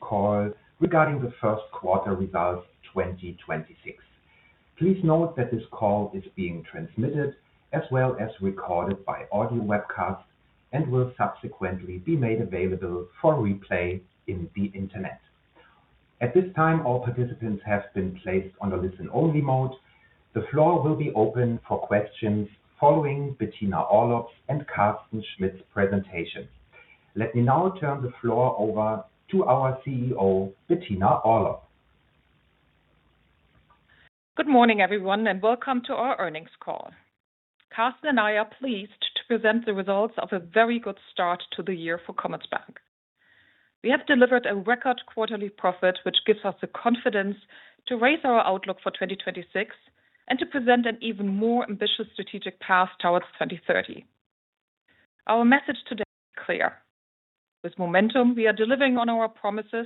Call regarding the first quarter results 2026. Please note that this call is being transmitted as well as recorded by audio webcast and will subsequently be made available for replay in the internet. At this time, all participants have been placed on a listen-only mode. The floor will be open for questions following Bettina Orlopp and Carsten Schmitt presentation. Let me now turn the floor over to our CEO, Bettina Orlopp. Good morning, everyone, and welcome to our earnings call. Carsten and I are pleased to present the results of a very good start to the year for Commerzbank. We have delivered a record quarterly profit, which gives us the confidence to raise our outlook for 2026 and to present an even more ambitious strategic path towards 2030. Our message today is clear. With momentum, we are delivering on our promises,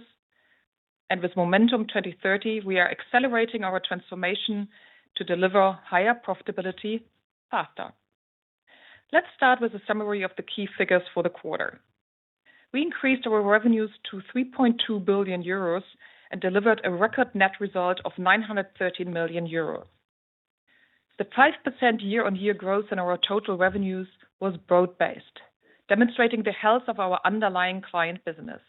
and with Momentum 2030, we are accelerating our transformation to deliver higher profitability faster. Let's start with a summary of the key figures for the quarter. We increased our revenues to 3.2 billion euros and delivered a record net result of 913 million euros. The 5% year-on-year growth in our total revenues was broad-based, demonstrating the health of our underlying client business.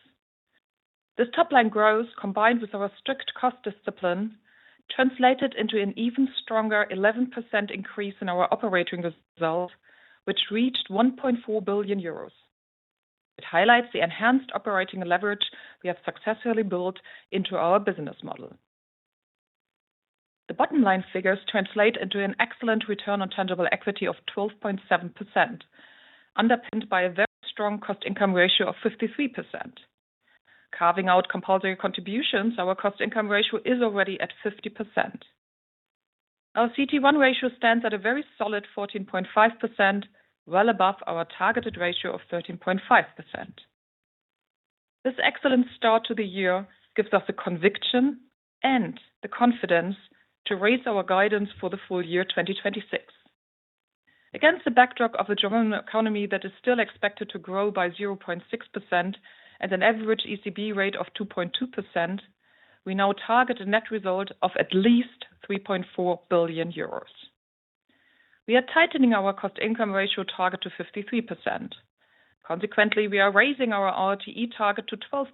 This top-line growth, combined with our strict cost discipline, translated into an even stronger 11% increase in our operating result, which reached 1.4 billion euros. It highlights the enhanced operating leverage we have successfully built into our business model. The bottom line figures translate into an excellent return on tangible equity of 12.7%, underpinned by a very strong cost-income ratio of 53%. Carving out compulsory contributions, our cost-income ratio is already at 50%. Our CET1 ratio stands at a very solid 14.5%, well above our targeted ratio of 13.5%. This excellent start to the year gives us the conviction and the confidence to raise our guidance for the full-year 2026. Against the backdrop of the German economy that is still expected to grow by 0.6% at an average ECB rate of 2.2%, we now target a net result of at least 3.4 billion euros. We are tightening our cost-income ratio target to 53%. Consequently, we are raising our RoTE target to 12%.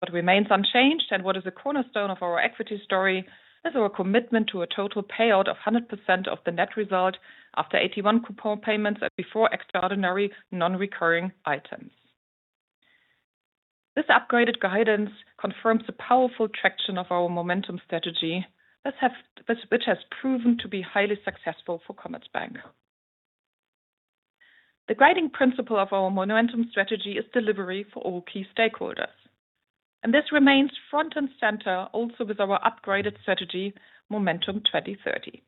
What remains unchanged and what is a cornerstone of our equity story is our commitment to a total payout of 100% of the net result after AT1 coupon payments and before extraordinary non-recurring items. This upgraded guidance confirms the powerful traction of our momentum strategy which has proven to be highly successful for Commerzbank. The guiding principle of our momentum strategy is delivery for all key stakeholders, and this remains front and center also with our upgraded strategy, Momentum 2030.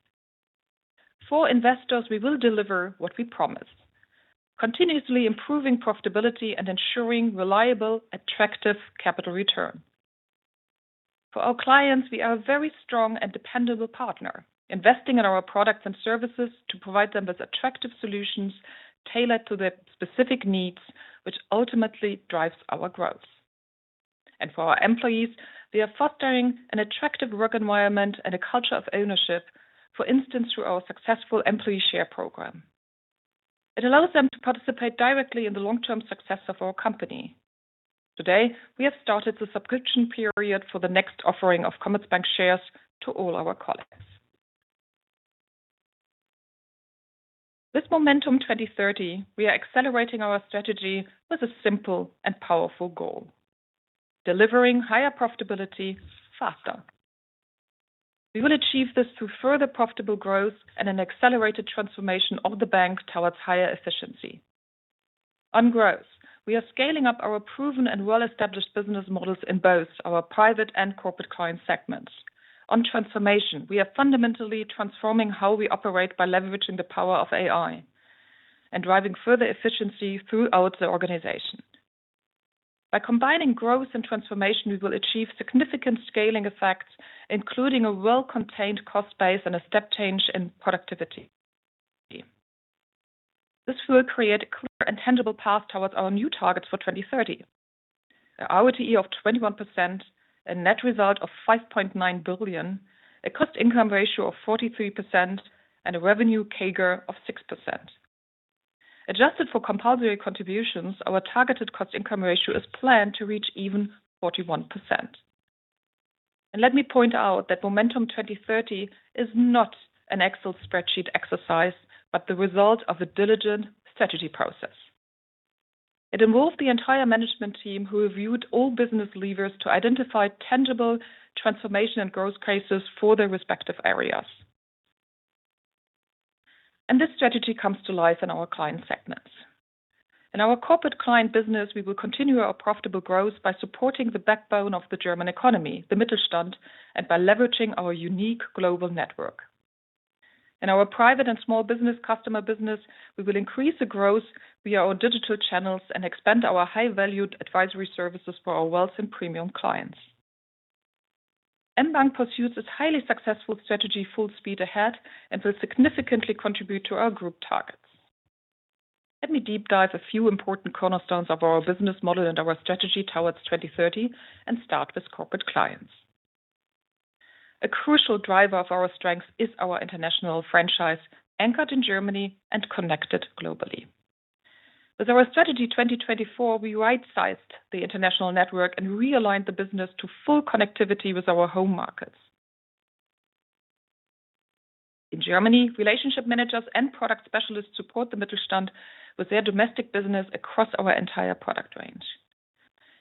For investors, we will deliver what we promise, continuously improving profitability and ensuring reliable, attractive capital return. For our clients, we are a very strong and dependable partner, investing in our products and services to provide them with attractive solutions tailored to their specific needs, which ultimately drives our growth. For our employees, we are fostering an attractive work environment and a culture of ownership, for instance, through our successful employee share program. It allows them to participate directly in the long-term success of our company. Today, we have started the subscription period for the next offering of Commerzbank shares to all our colleagues. With Momentum 2030, we are accelerating our strategy with a simple and powerful goal: delivering higher profitability faster. We will achieve this through further profitable growth and an accelerated transformation of the bank towards higher efficiency. On growth, we are scaling up our proven and well-established business models in both our Private and Corporate Clients segments. On transformation, we are fundamentally transforming how we operate by leveraging the power of AI and driving further efficiency throughout the organization. By combining growth and transformation, we will achieve significant scaling effects, including a well-contained cost base and a step change in productivity. This will create a clear and tangible path towards our new targets for 2030. A RoTE of 21%, a net result of 5.9 billion, a cost-income ratio of 43%, and a revenue CAGR of 6%. Adjusted for compulsory contributions, our targeted cost-income ratio is planned to reach even 41%. Let me point out that Momentum 2030 is not an Excel spreadsheet exercise, but the result of a diligent strategy process. It involves the entire management team who have viewed all business levers to identify tangible transformation and growth cases for their respective areas. This strategy comes to life in our client segments. In our Corporate Clients business, we will continue our profitable growth by supporting the backbone of the German economy, the Mittelstand, and by leveraging our unique global network. In our Private and Small-Business Customers business, we will increase the growth via our digital channels and expand our high-valued advisory services for our wealth and premium clients. mBank pursues this highly successful strategy full speed ahead and will significantly contribute to our group targets. Let me deep dive a few important cornerstones of our business model and our strategy towards 2030 and start with Corporate Clients. A crucial driver of our strength is our international franchise, anchored in Germany and connected globally. With our Strategy 2024, we right-sized the international network and realigned the business to full connectivity with our home markets. In Germany, relationship managers and product specialists support the Mittelstand with their domestic business across our entire product range.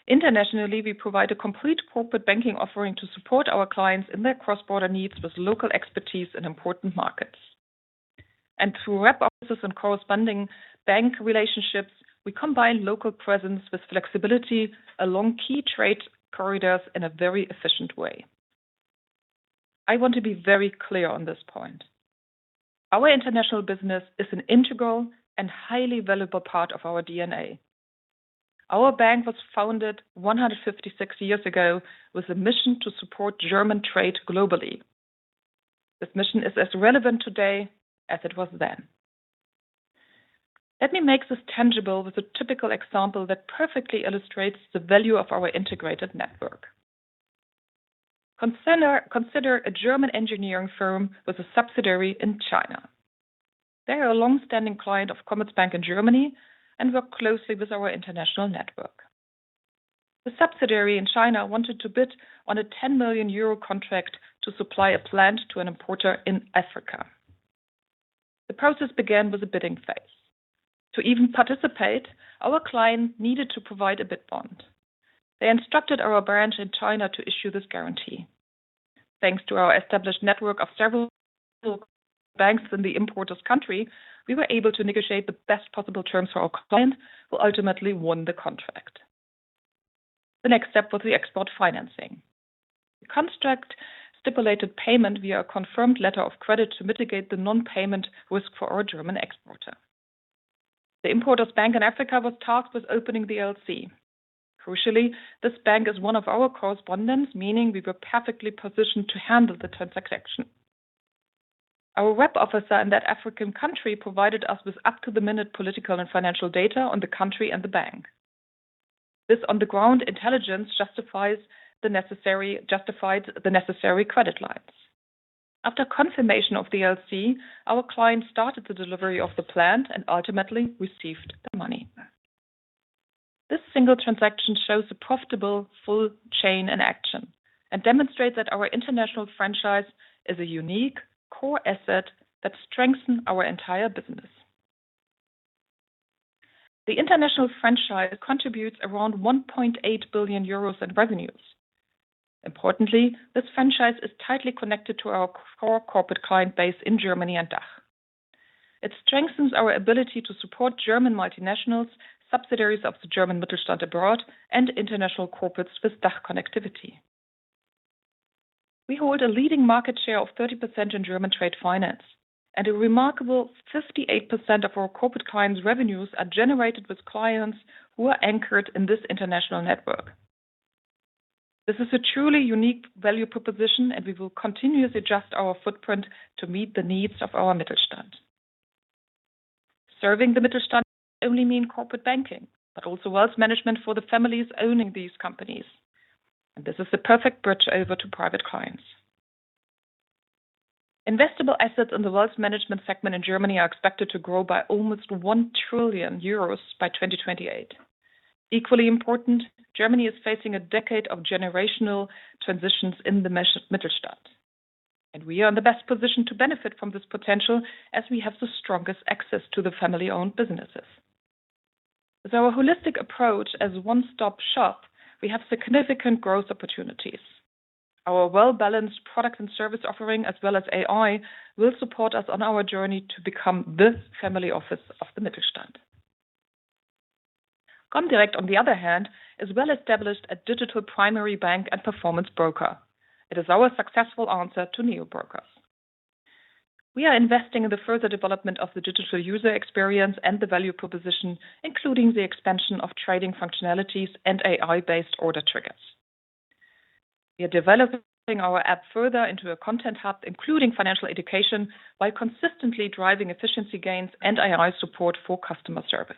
Internationally, we provide a complete corporate banking offering to support our clients in their cross-border needs with local expertise in important markets. Through rep offices and corresponding bank relationships, we combine local presence with flexibility along key trade corridors in a very efficient way. I want to be very clear on this point. Our international business is an integral and highly valuable part of our DNA. Our bank was founded 156 years ago with a mission to support German trade globally. This mission is as relevant today as it was then. Let me make this tangible with a typical example that perfectly illustrates the value of our integrated network. Consider a German engineering firm with a subsidiary in China. They are a long-standing client of Commerzbank in Germany and work closely with our international network. The subsidiary in China wanted to bid on a 10 million euro contract to supply a plant to an importer in Africa. The process began with a bidding phase. To even participate, our client needed to provide a bid bond. They instructed our branch in China to issue this guarantee. Thanks to our established network of several banks in the importer's country, we were able to negotiate the best possible terms for our client, who ultimately won the contract. The next step was the export financing. The construct stipulated payment via a confirmed letter of credit to mitigate the non-payment risk for our German exporter. The importer's bank in Africa was tasked with opening the LC. This bank is one of our correspondents, meaning we were perfectly positioned to handle the transaction. Our rep officer in that African country provided us with up-to-the-minute political and financial data on the country and the bank. This on-the-ground intelligence justifies the necessary credit lines. After confirmation of the LC, our client started the delivery of the plant and ultimately received the money. This single transaction shows a profitable full chain in action and demonstrates that our international franchise is a unique core asset that strengthen our entire business. The international franchise contributes around 1.8 billion euros in revenues. This franchise is tightly connected to our core Corporate Clients base in Germany and DACH. It strengthens our ability to support German multinationals, subsidiaries of the German Mittelstand abroad and international corporates with DACH connectivity. We hold a leading market share of 30% in German trade finance, and a remarkable 58% of our Corporate Clients' revenues are generated with clients who are anchored in this international network. This is a truly unique value proposition, and we will continuously adjust our footprint to meet the needs of our Mittelstand. Serving the Mittelstand only mean corporate banking, but also wealth management for the families owning these companies. This is the perfect bridge over to private clients. Investable assets in the wealth management segment in Germany are expected to grow by almost 1 trillion euros by 2028. Equally important, Germany is facing a decade of generational transitions in the Mittelstand. We are in the best position to benefit from this potential as we have the strongest access to the family-owned businesses. With our holistic approach as one-stop shop, we have significant growth opportunities. Our well-balanced product and service offering as well as AI will support us on our journey to become the family office of the Mittelstand. comdirect, on the other hand, is well established at digital primary bank and performance broker. It is our successful answer to neobrokers. We are investing in the further development of the digital user experience and the value proposition, including the expansion of trading functionalities and AI-based order triggers. We are developing our app further into a content hub, including financial education, while consistently driving efficiency gains and AI support for customer service.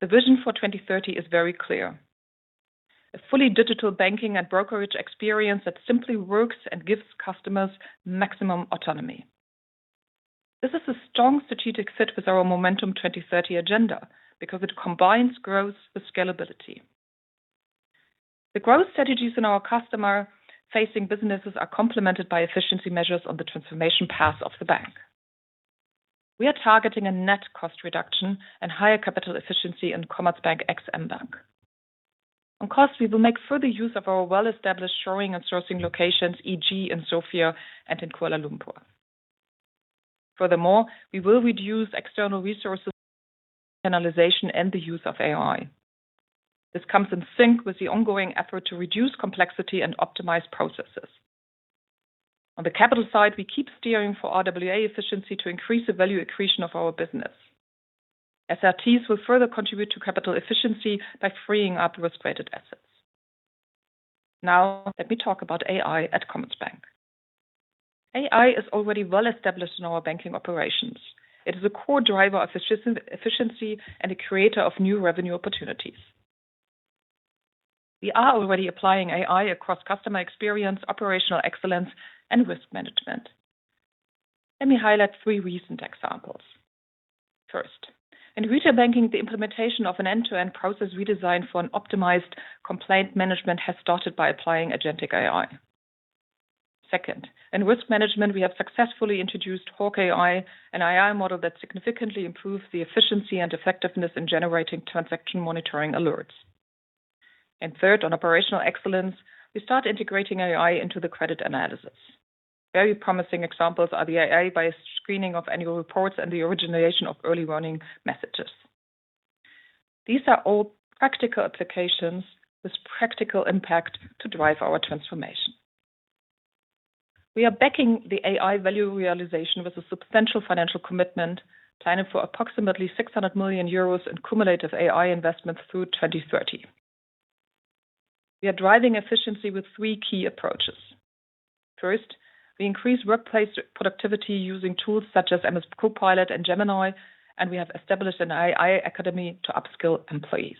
The vision for 2030 is very clear. A fully digital banking and brokerage experience that simply works and gives customers maximum autonomy. This is a strong strategic fit with our Momentum 2030 agenda because it combines growth with scalability. The growth strategies in our customer-facing businesses are complemented by efficiency measures on the transformation path of the bank. We are targeting a net cost reduction and higher capital efficiency in Commerzbank ex mBank. On cost, we will make further use of our well-established shoring and sourcing locations, eg in Sofia and in Kuala Lumpur. We will reduce external resources, rationalization and the use of AI. This comes in sync with the ongoing effort to reduce complexity and optimize processes. On the capital side, we keep steering for RWA efficiency to increase the value accretion of our business. SRTs will further contribute to capital efficiency by freeing up risk-weighted assets. Now let me talk about AI at Commerzbank. AI is already well established in our banking operations. It is a core driver of efficiency and a creator of new revenue opportunities. We are already applying AI across customer experience, operational excellence and risk management. Let me highlight three recent examples. First, in retail banking, the implementation of an end-to-end process redesigned for an optimized complaint management has started by applying agentic AI. Second, in risk management, we have successfully introduced Hawk AI, an AI model that significantly improves the efficiency and effectiveness in generating transaction monitoring alerts. Third, on operational excellence, we start integrating AI into the credit analysis. Very promising examples are the AI-based screening of annual reports and the origination of early warning messages. These are all practical applications with practical impact to drive our transformation. We are backing the AI value realization with a substantial financial commitment, planning for approximately 600 million euros in cumulative AI investments through 2030. We are driving efficiency with three key approaches. First, we increase workplace productivity using tools such as Microsoft Copilot and Gemini, and we have established an AI Academy to upskill employees.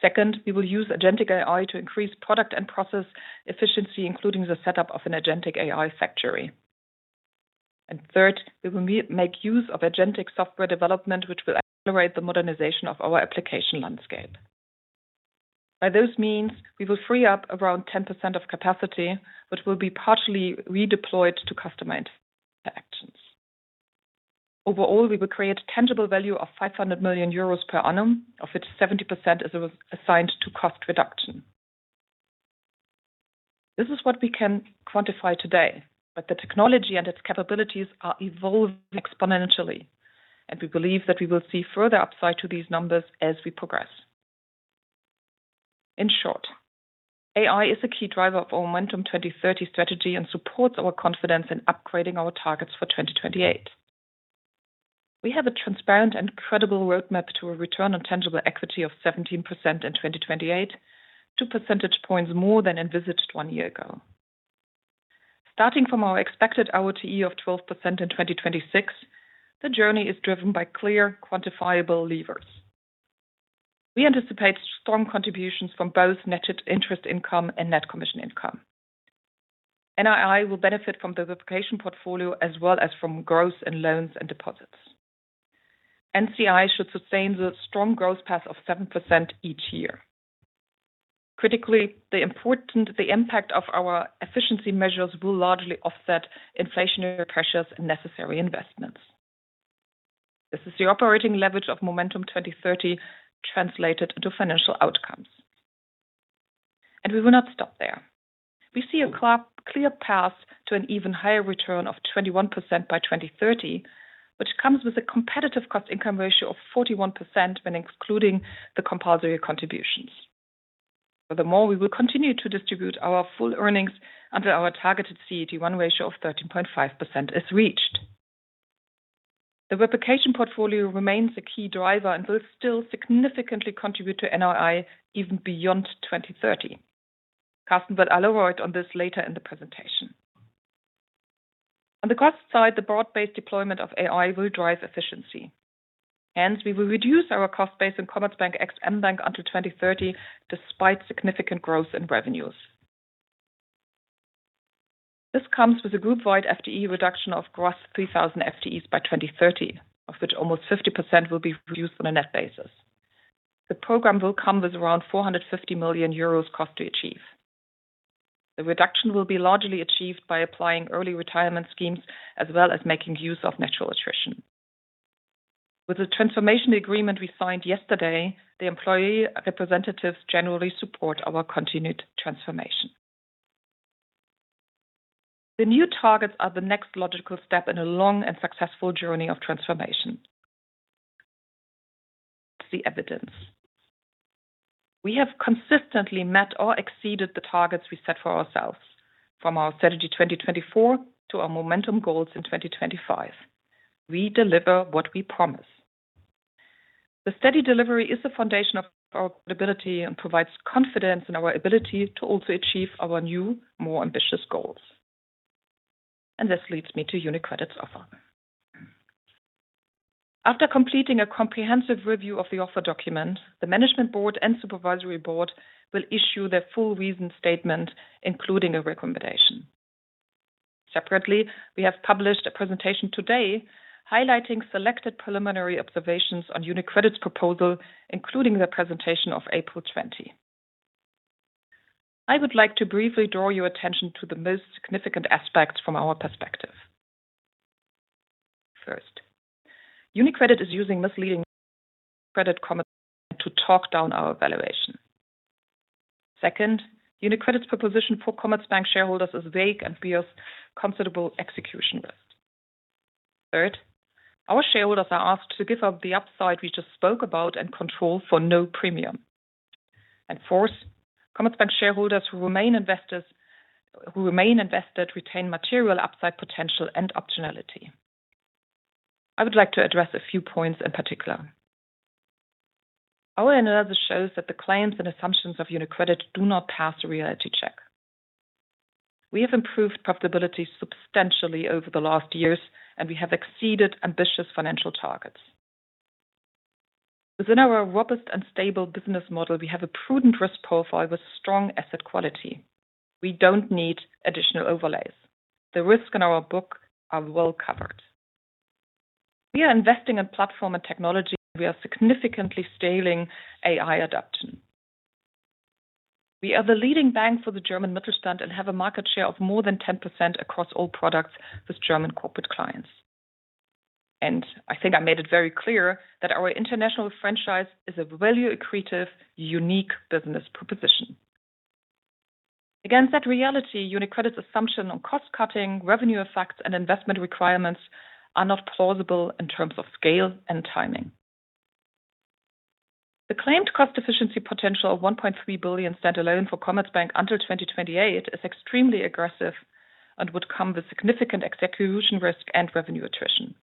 Second, we will use agentic AI to increase product and process efficiency, including the setup of an agentic AI factory. Third, we will make use of agentic software development, which will accelerate the modernization of our application landscape. By those means, we will free up around 10% of capacity, which will be partially redeployed to customer interactions. Overall, we will create tangible value of 500 million euros per annum, of which 70% is assigned to cost reduction. This is what we can quantify today, but the technology and its capabilities are evolving exponentially, and we believe that we will see further upside to these numbers as we progress. In short, AI is a key driver of our Momentum 2030 strategy and supports our confidence in upgrading our targets for 2028. We have a transparent and credible roadmap to a return on tangible equity of 17% in 2028, 2 percentage points more than envisaged one year ago. Starting from our expected RoTE of 12% in 2026, the journey is driven by clear quantifiable levers. We anticipate strong contributions from both net interest income and net commission income. NII will benefit from the replication portfolio as well as from growth in loans and deposits. NCI should sustain the strong growth path of 7% each year. Critically, the impact of our efficiency measures will largely offset inflationary pressures and necessary investments. This is the operating leverage of Momentum 2030 translated into financial outcomes. We will not stop there. We see a clear path to an even higher return of 21% by 2030, which comes with a competitive cost-income ratio of 41% when excluding the compulsory contributions. Furthermore, we will continue to distribute our full earnings until our targeted CET1 ratio of 13.5% is reached. The replication portfolio remains a key driver and will still significantly contribute to NII even beyond 2030. Carsten will elaborate on this later in the presentation. On the cost side, the broad-based deployment of AI will drive efficiency. Hence, we will reduce our cost base in Commerzbank ex mBank until 2030, despite significant growth in revenues. This comes with a group-wide FTE reduction of gross 3,000 FTEs by 2030, of which almost 50% will be reduced on a net basis. The program will come with around 450 million euros cost to achieve. The reduction will be largely achieved by applying early retirement schemes as well as making use of natural attrition. With the transformation agreement we signed yesterday, the employee representatives generally support our continued transformation. The new targets are the next logical step in a long and successful journey of transformation. The evidence. We have consistently met or exceeded the targets we set for ourselves, from our Strategy 2024 to our Momentum goals in 2025. We deliver what we promise. The steady delivery is the foundation of our credibility and provides confidence in our ability to also achieve our new, more ambitious goals. This leads me to UniCredit's offer. After completing a comprehensive review of the offer document, the management board and supervisory board will issue their full reasoned statement, including a recommendation. Separately, we have published a presentation today highlighting selected preliminary observations on UniCredit's proposal, including the presentation of April 20. I would like to briefly draw your attention to the most significant aspects from our perspective. First, UniCredit is using misleading Credit Commerzbank to talk down our valuation. Second, UniCredit's proposition for Commerzbank shareholders is vague and bears considerable execution risk. Third, our shareholders are asked to give up the upside we just spoke about and control for no premium. Fourth, Commerzbank shareholders who remain investors who remain invested retain material upside potential and optionality. I would like to address a few points in particular. Our analysis shows that the claims and assumptions of UniCredit do not pass a reality check. We have improved profitability substantially over the last years, and we have exceeded ambitious financial targets. Within our robust and stable business model, we have a prudent risk profile with strong asset quality. We don't need additional overlays. The risks in our book are well covered. We are investing in platform and technology, and we are significantly scaling AI adoption. We are the leading bank for the German Mittelstand and have a market share of more than 10% across all products with German Corporate Clients. I think I made it very clear that our international franchise is a value-accretive, unique business proposition. Against that reality, UniCredit's assumption on cost-cutting, revenue effects, and investment requirements are not plausible in terms of scale and timing. The claimed cost efficiency potential of 1.3 billion standalone for Commerzbank until 2028 is extremely aggressive and would come with significant execution risk and revenue attrition.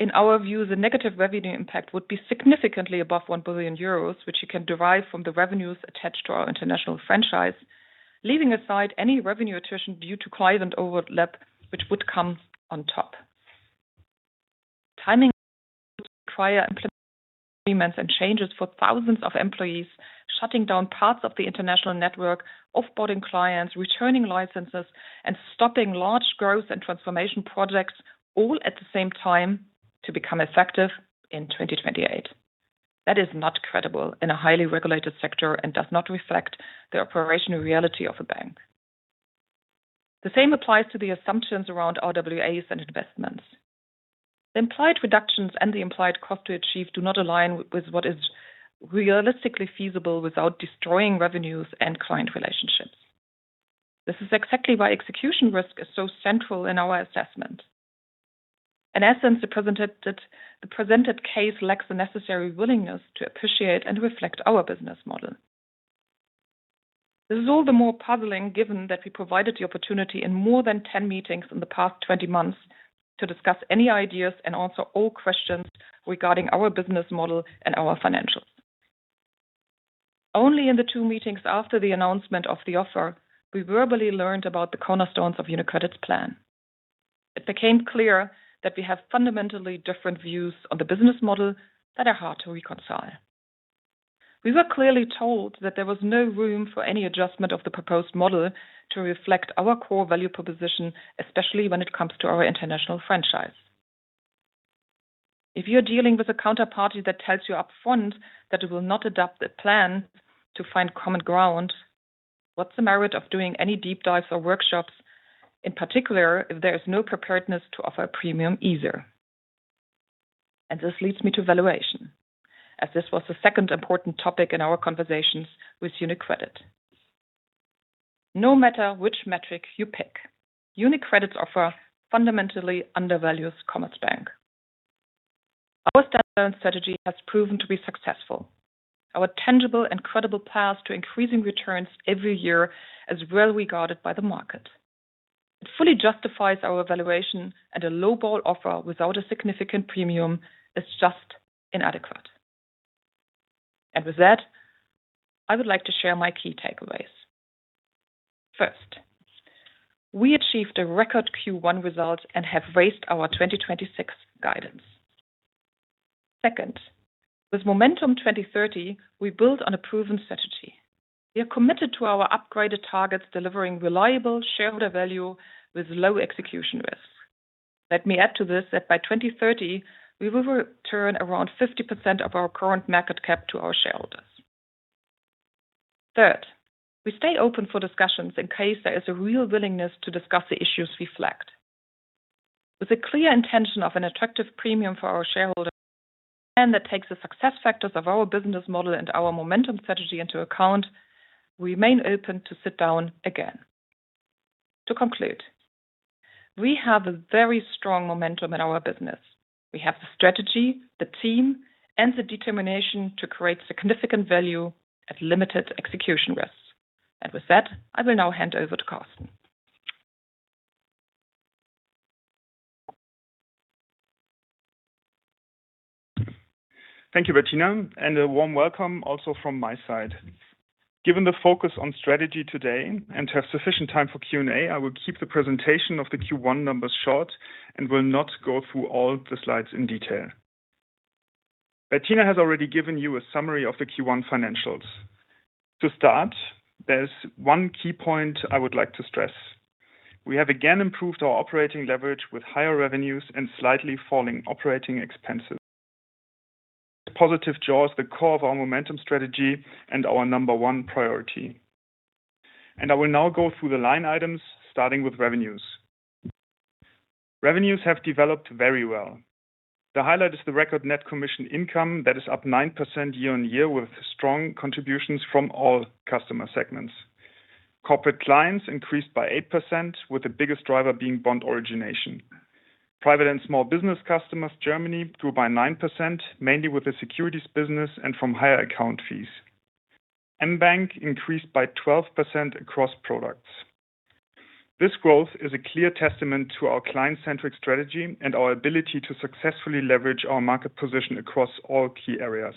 In our view, the negative revenue impact would be significantly above 1 billion euros, which you can derive from the revenues attached to our international franchise, leaving aside any revenue attrition due to client overlap, which would come on top. Timing would require implementing agreements and changes for thousands of employees, shutting down parts of the international network, off-boarding clients, returning licenses, and stopping large growth and transformation projects all at the same time to become effective in 2028. That is not credible in a highly regulated sector and does not reflect the operational reality of a bank. The same applies to the assumptions around RWAs and investments. The implied reductions and the implied cost to achieve do not align with what is realistically feasible without destroying revenues and client relationships. This is exactly why execution risk is so central in our assessment. In essence, the presented case lacks the necessary willingness to appreciate and reflect our business model. This is all the more puzzling given that we provided the opportunity in more than 10 meetings in the past 20 months to discuss any ideas and answer all questions regarding our business model and our financials. Only in the two meetings after the announcement of the offer, we verbally learned about the cornerstones of UniCredit's plan. It became clear that we have fundamentally different views on the business model that are hard to reconcile. We were clearly told that there was no room for any adjustment of the proposed model to reflect our core value proposition, especially when it comes to our international franchise. If you are dealing with a counterparty that tells you upfront that it will not adopt a plan to find common ground, what's the merit of doing any deep dives or workshops, in particular, if there is no preparedness to offer premium either? This leads me to valuation, as this was the second important topic in our conversations with UniCredit. No matter which metric you pick, UniCredit's offer fundamentally undervalues Commerzbank. Our standalone strategy has proven to be successful. Our tangible and credible path to increasing returns every year is well-regarded by the market. It fully justifies our valuation, and a low-ball offer without a significant premium is just inadequate. With that, I would like to share my key takeaways. First, we achieved a record Q1 result and have raised our 2026 guidance. Second, with Momentum 2030, we build on a proven strategy. We are committed to our upgraded targets, delivering reliable shareholder value with low execution risk. Let me add to this that by 2030, we will return around 50% of our current market cap to our shareholders. Third, we stay open for discussions in case there is a real willingness to discuss the issues we flagged. With a clear intention of an attractive premium for our shareholders and that takes the success factors of our business model and our Momentum strategy into account, we remain open to sit down again. To conclude, we have a very strong momentum in our business. We have the strategy, the team, and the determination to create significant value at limited execution risks. With that, I will now hand over to Carsten. Thank you, Bettina, and a warm welcome also from my side. Given the focus on strategy today and to have sufficient time for Q&A, I will keep the presentation of the Q1 numbers short and will not go through all the slides in detail. Bettina has already given you a summary of the Q1 financials. To start, there's one key point I would like to stress. We have again improved our operating leverage with higher revenues and slightly falling operating expenses. Positive jaws, the core of our Momentum strategy and our number one priority. I will now go through the line items starting with revenues. Revenues have developed very well. The highlight is the record net commission income that is up 9% year-on-year with strong contributions from all customer segments. Corporate Clients increased by 8% with the biggest driver being bond origination. Private and Small-Business Customers Germany grew by 9%, mainly with the securities business and from higher account fees. mBank increased by 12% across products. This growth is a clear testament to our client-centric strategy and our ability to successfully leverage our market position across all key areas.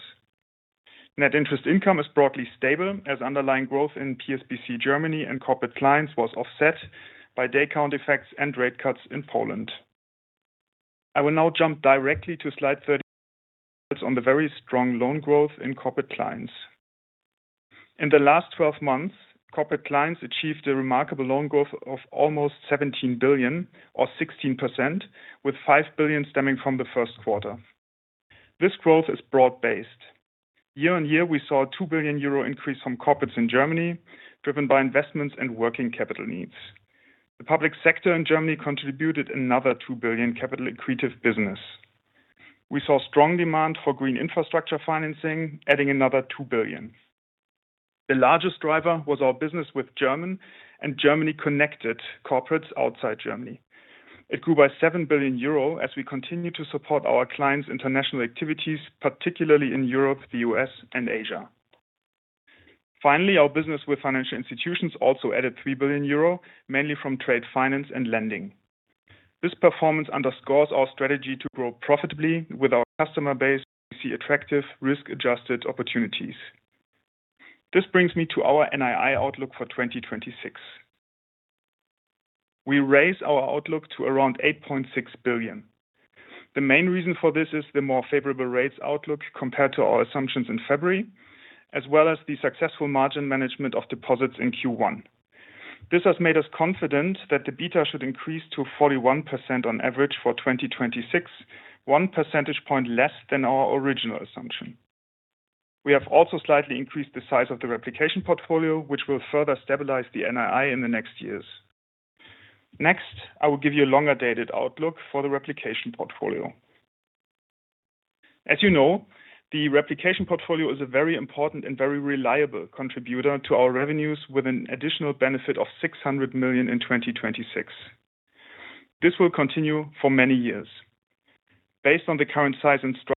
net interest income is broadly stable as underlying growth in PSBC Germany and Corporate Clients was offset by day count effects and rate cuts in Poland. I will now jump directly to slide 30 on the very strong loan growth in Corporate Clients. In the last 12 months, Corporate Clients achieved a remarkable loan growth of almost 17 billion or 16% with 5 billion stemming from the first quarter. This growth is broad-based. Year on year, we saw a 2 billion euro increase from corporates in Germany, driven by investments and working capital needs. The public sector in Germany contributed another 2 billion capital accretive business. We saw strong demand for green infrastructure financing, adding another 2 billion. The largest driver was our business with German and Germany-connected corporates outside Germany. It grew by 7 billion euro as we continue to support our clients' international activities, particularly in Europe, the U.S., and Asia. Our business with financial institutions also added 3 billion euro, mainly from trade finance and lending. This performance underscores our strategy to grow profitably with our customer base to see attractive risk-adjusted opportunities. This brings me to our NII outlook for 2026. We raise our outlook to around 8.6 billion. The main reason for this is the more favorable rates outlook compared to our assumptions in February, as well as the successful margin management of deposits in Q1. This has made us confident that the beta should increase to 41% on average for 2026, 1 percentage point less than our original assumption. We have also slightly increased the size of the replication portfolio, which will further stabilize the NII in the next years. I will give you a longer-dated outlook for the replication portfolio. As you know, the replication portfolio is a very important and very reliable contributor to our revenues with an additional benefit of 600 million in 2026. This will continue for many years. Based on the current size and structure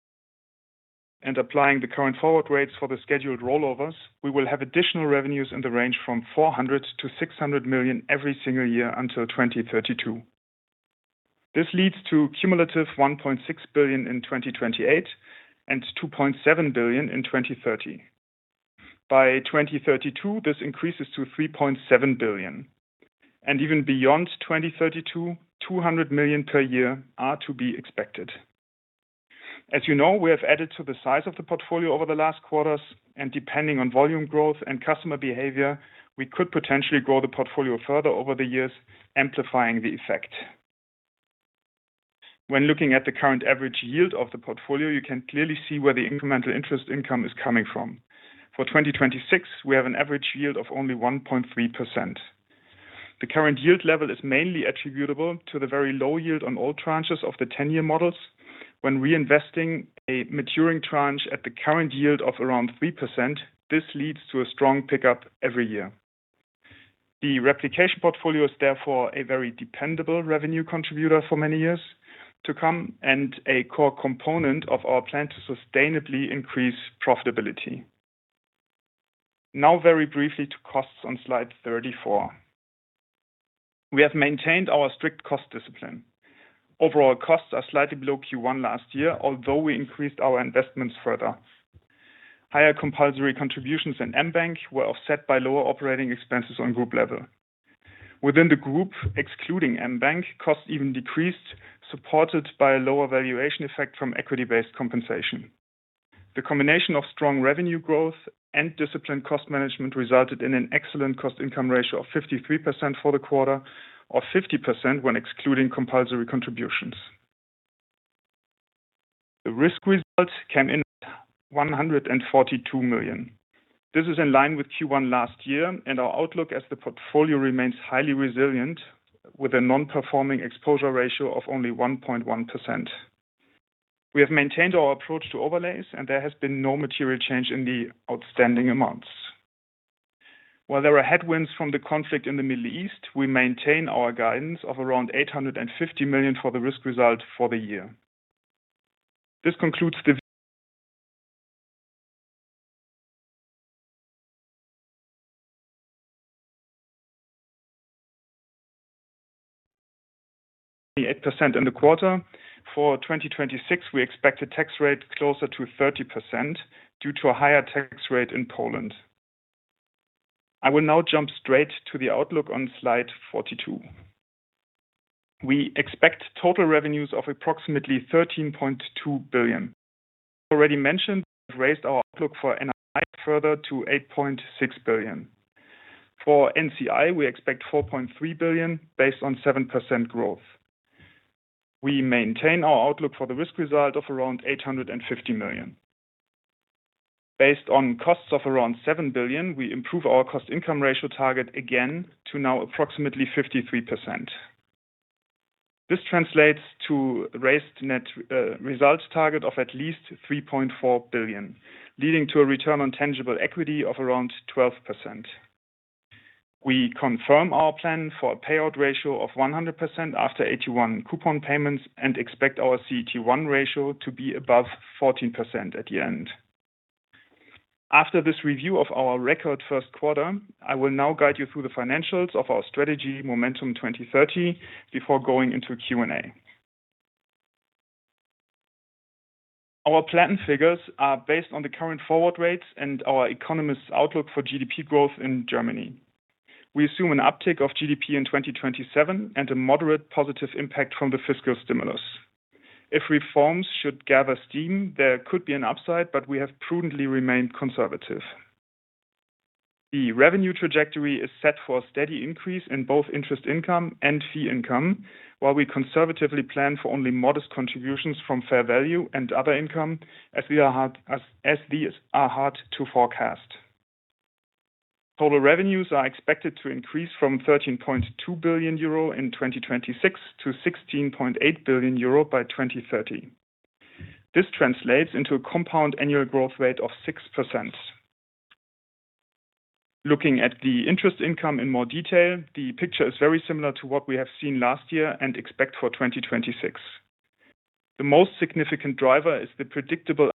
and applying the current forward rates for the scheduled rollovers, we will have additional revenues in the range from 400 million-600 million every single year until 2032. This leads to cumulative 1.6 billion in 2028 and 2.7 billion in 2030. By 2032, this increases to 3.7 billion. Even beyond 2032, 200 million per year are to be expected. As you know, we have added to the size of the portfolio over the last quarters, and depending on volume growth and customer behavior, we could potentially grow the portfolio further over the years, amplifying the effect. When looking at the current average yield of the portfolio, you can clearly see where the incremental interest income is coming from. For 2026, we have an average yield of only 1.3%. The current yield level is mainly attributable to the very low yield on all tranches of the 10-year models. When reinvesting a maturing tranche at the current yield of around 3%, this leads to a strong pickup every year. The replication portfolio is therefore a very dependable revenue contributor for many years to come and a core component of our plan to sustainably increase profitability. Very briefly to costs on slide 34. We have maintained our strict cost discipline. Overall costs are slightly below Q1 last year, although we increased our investments further. Higher compulsory contributions in mBank were offset by lower operating expenses on group level. Within the group, excluding mBank, costs even decreased, supported by a lower valuation effect from equity-based compensation. The combination of strong revenue growth and disciplined cost management resulted in an excellent cost-income ratio of 53% for the quarter, or 50% when excluding compulsory contributions. The risk result came in 142 million. This is in line with Q1 last year and our outlook as the portfolio remains highly resilient with a non-performing exposure ratio of only 1.1%. We have maintained our approach to overlays, and there has been no material change in the outstanding amounts. While there are headwinds from the conflict in the Middle East, we maintain our guidance of around 850 million for the risk result for the year. This concludes the 8% in the quarter. For 2026, we expect a tax rate closer to 30% due to a higher tax rate in Poland. I will now jump straight to the outlook on slide 42. We expect total revenues of approximately 13.2 billion. Already mentioned, we've raised our outlook for NII further to 8.6 billion. For NCI, we expect 4.3 billion based on 7% growth. We maintain our outlook for the risk result of around 850 million. Based on costs of around 7 billion, we improve our cost-income ratio target again to now approximately 53%. This translates to raised net results target of at least 3.4 billion, leading to a return on tangible equity of around 12%. We confirm our plan for a payout ratio of 100% after AT1 coupon payments and expect our CET1 ratio to be above 14% at the end. After this review of our record first quarter, I will now guide you through the financials of our strategy Momentum 2030 before going into Q&A. Our planned figures are based on the current forward rates and our economists' outlook for GDP growth in Germany. We assume an uptick of GDP in 2027 and a moderate positive impact from the fiscal stimulus. If reforms should gather steam, there could be an upside, but we have prudently remained conservative. The revenue trajectory is set for a steady increase in both interest income and fee income, while we conservatively plan for only modest contributions from fair value and other income as these are hard to forecast. Total revenues are expected to increase from 13.2 billion euro in 2026 to 16.8 billion euro by 2030. This translates into a compound annual growth rate of 6%. Looking at the interest income in more detail, the picture is very similar to what we have seen last year and expect for 2026. The most significant driver is the predictable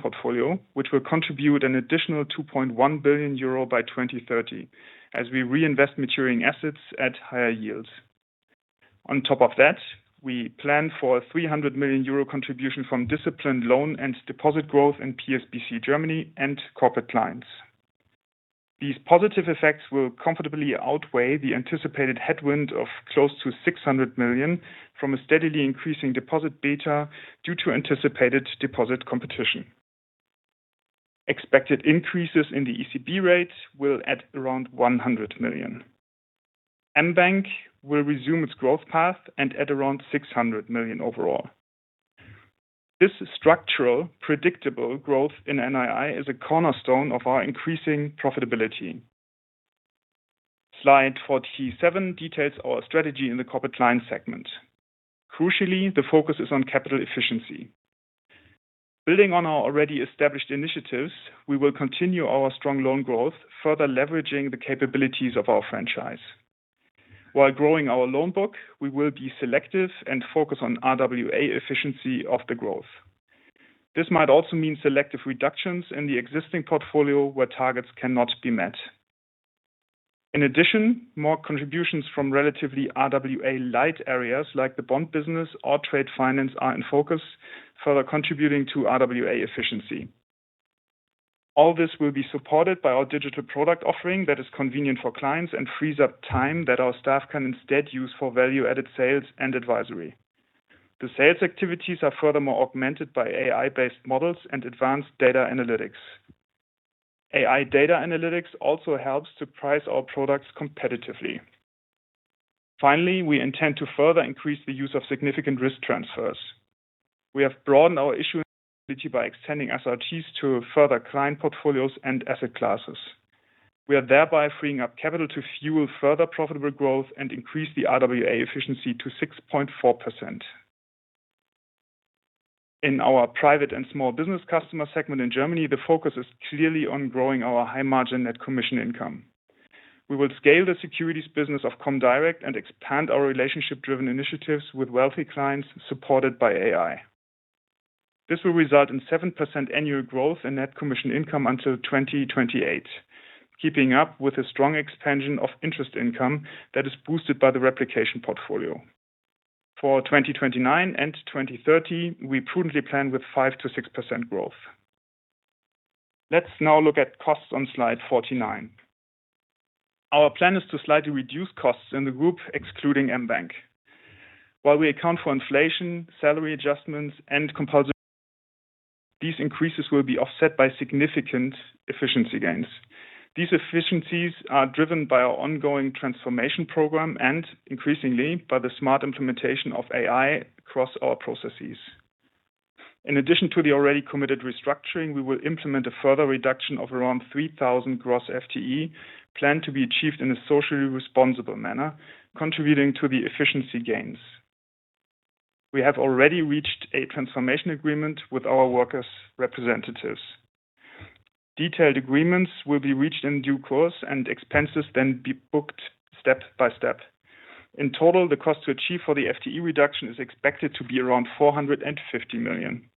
portfolio, which will contribute an additional 2.1 billion euro by 2030 as we reinvest maturing assets at higher yields. On top of that, we plan for a 300 million euro contribution from disciplined loan and deposit growth in PSBC Germany and Corporate Clients. These positive effects will comfortably outweigh the anticipated headwind of close to 600 million from a steadily increasing deposit beta due to anticipated deposit competition. Expected increases in the ECB rates will add around 100 million. mBank will resume its growth path and add around 600 million overall. This structural predictable growth in NII is a cornerstone of our increasing profitability. Slide 47 details our strategy in the Corporate Clients segment. Crucially, the focus is on capital efficiency. Building on our already established initiatives, we will continue our strong loan growth, further leveraging the capabilities of our franchise. While growing our loan book, we will be selective and focus on RWA efficiency of the growth. This might also mean selective reductions in the existing portfolio where targets cannot be met. In addition, more contributions from relatively RWA-light areas like the bond business or trade finance are in focus, further contributing to RWA efficiency. All this will be supported by our digital product offering that is convenient for clients and frees up time that our staff can instead use for value-added sales and advisory. The sales activities are furthermore augmented by AI-based models and advanced data analytics. AI data analytics also helps to price our products competitively. Finally, we intend to further increase the use of significant risk transfers. We have broadened our issuing ability by extending SRTs to further client portfolios and asset classes. We are thereby freeing up capital to fuel further profitable growth and increase the RWA efficiency to 6.4%. In our Private and Small-Business Customers segment in Germany, the focus is clearly on growing our high margin net commission income. We will scale the securities business of comdirect and expand our relationship-driven initiatives with wealthy clients supported by AI. This will result in 7% annual growth in net commission income until 2028, keeping up with a strong expansion of interest income that is boosted by the replication portfolio. For 2029 and 2030, we prudently plan with 5%-6% growth. Let's now look at costs on slide 49. Our plan is to slightly reduce costs in the group excluding mBank. While we account for inflation, salary adjustments, and compulsory contributions these increases will be offset by significant efficiency gains. These efficiencies are driven by our ongoing transformation program and increasingly by the smart implementation of AI across our processes. In addition to the already committed restructuring, we will implement a further reduction of around 3,000 gross FTE planned to be achieved in a socially responsible manner, contributing to the efficiency gains. We have already reached a transformation agreement with our workers' representatives. Detailed agreements will be reached in due course and expenses then be booked step by step. In total, the cost to achieve for the FTE reduction is expected to be around 450 million.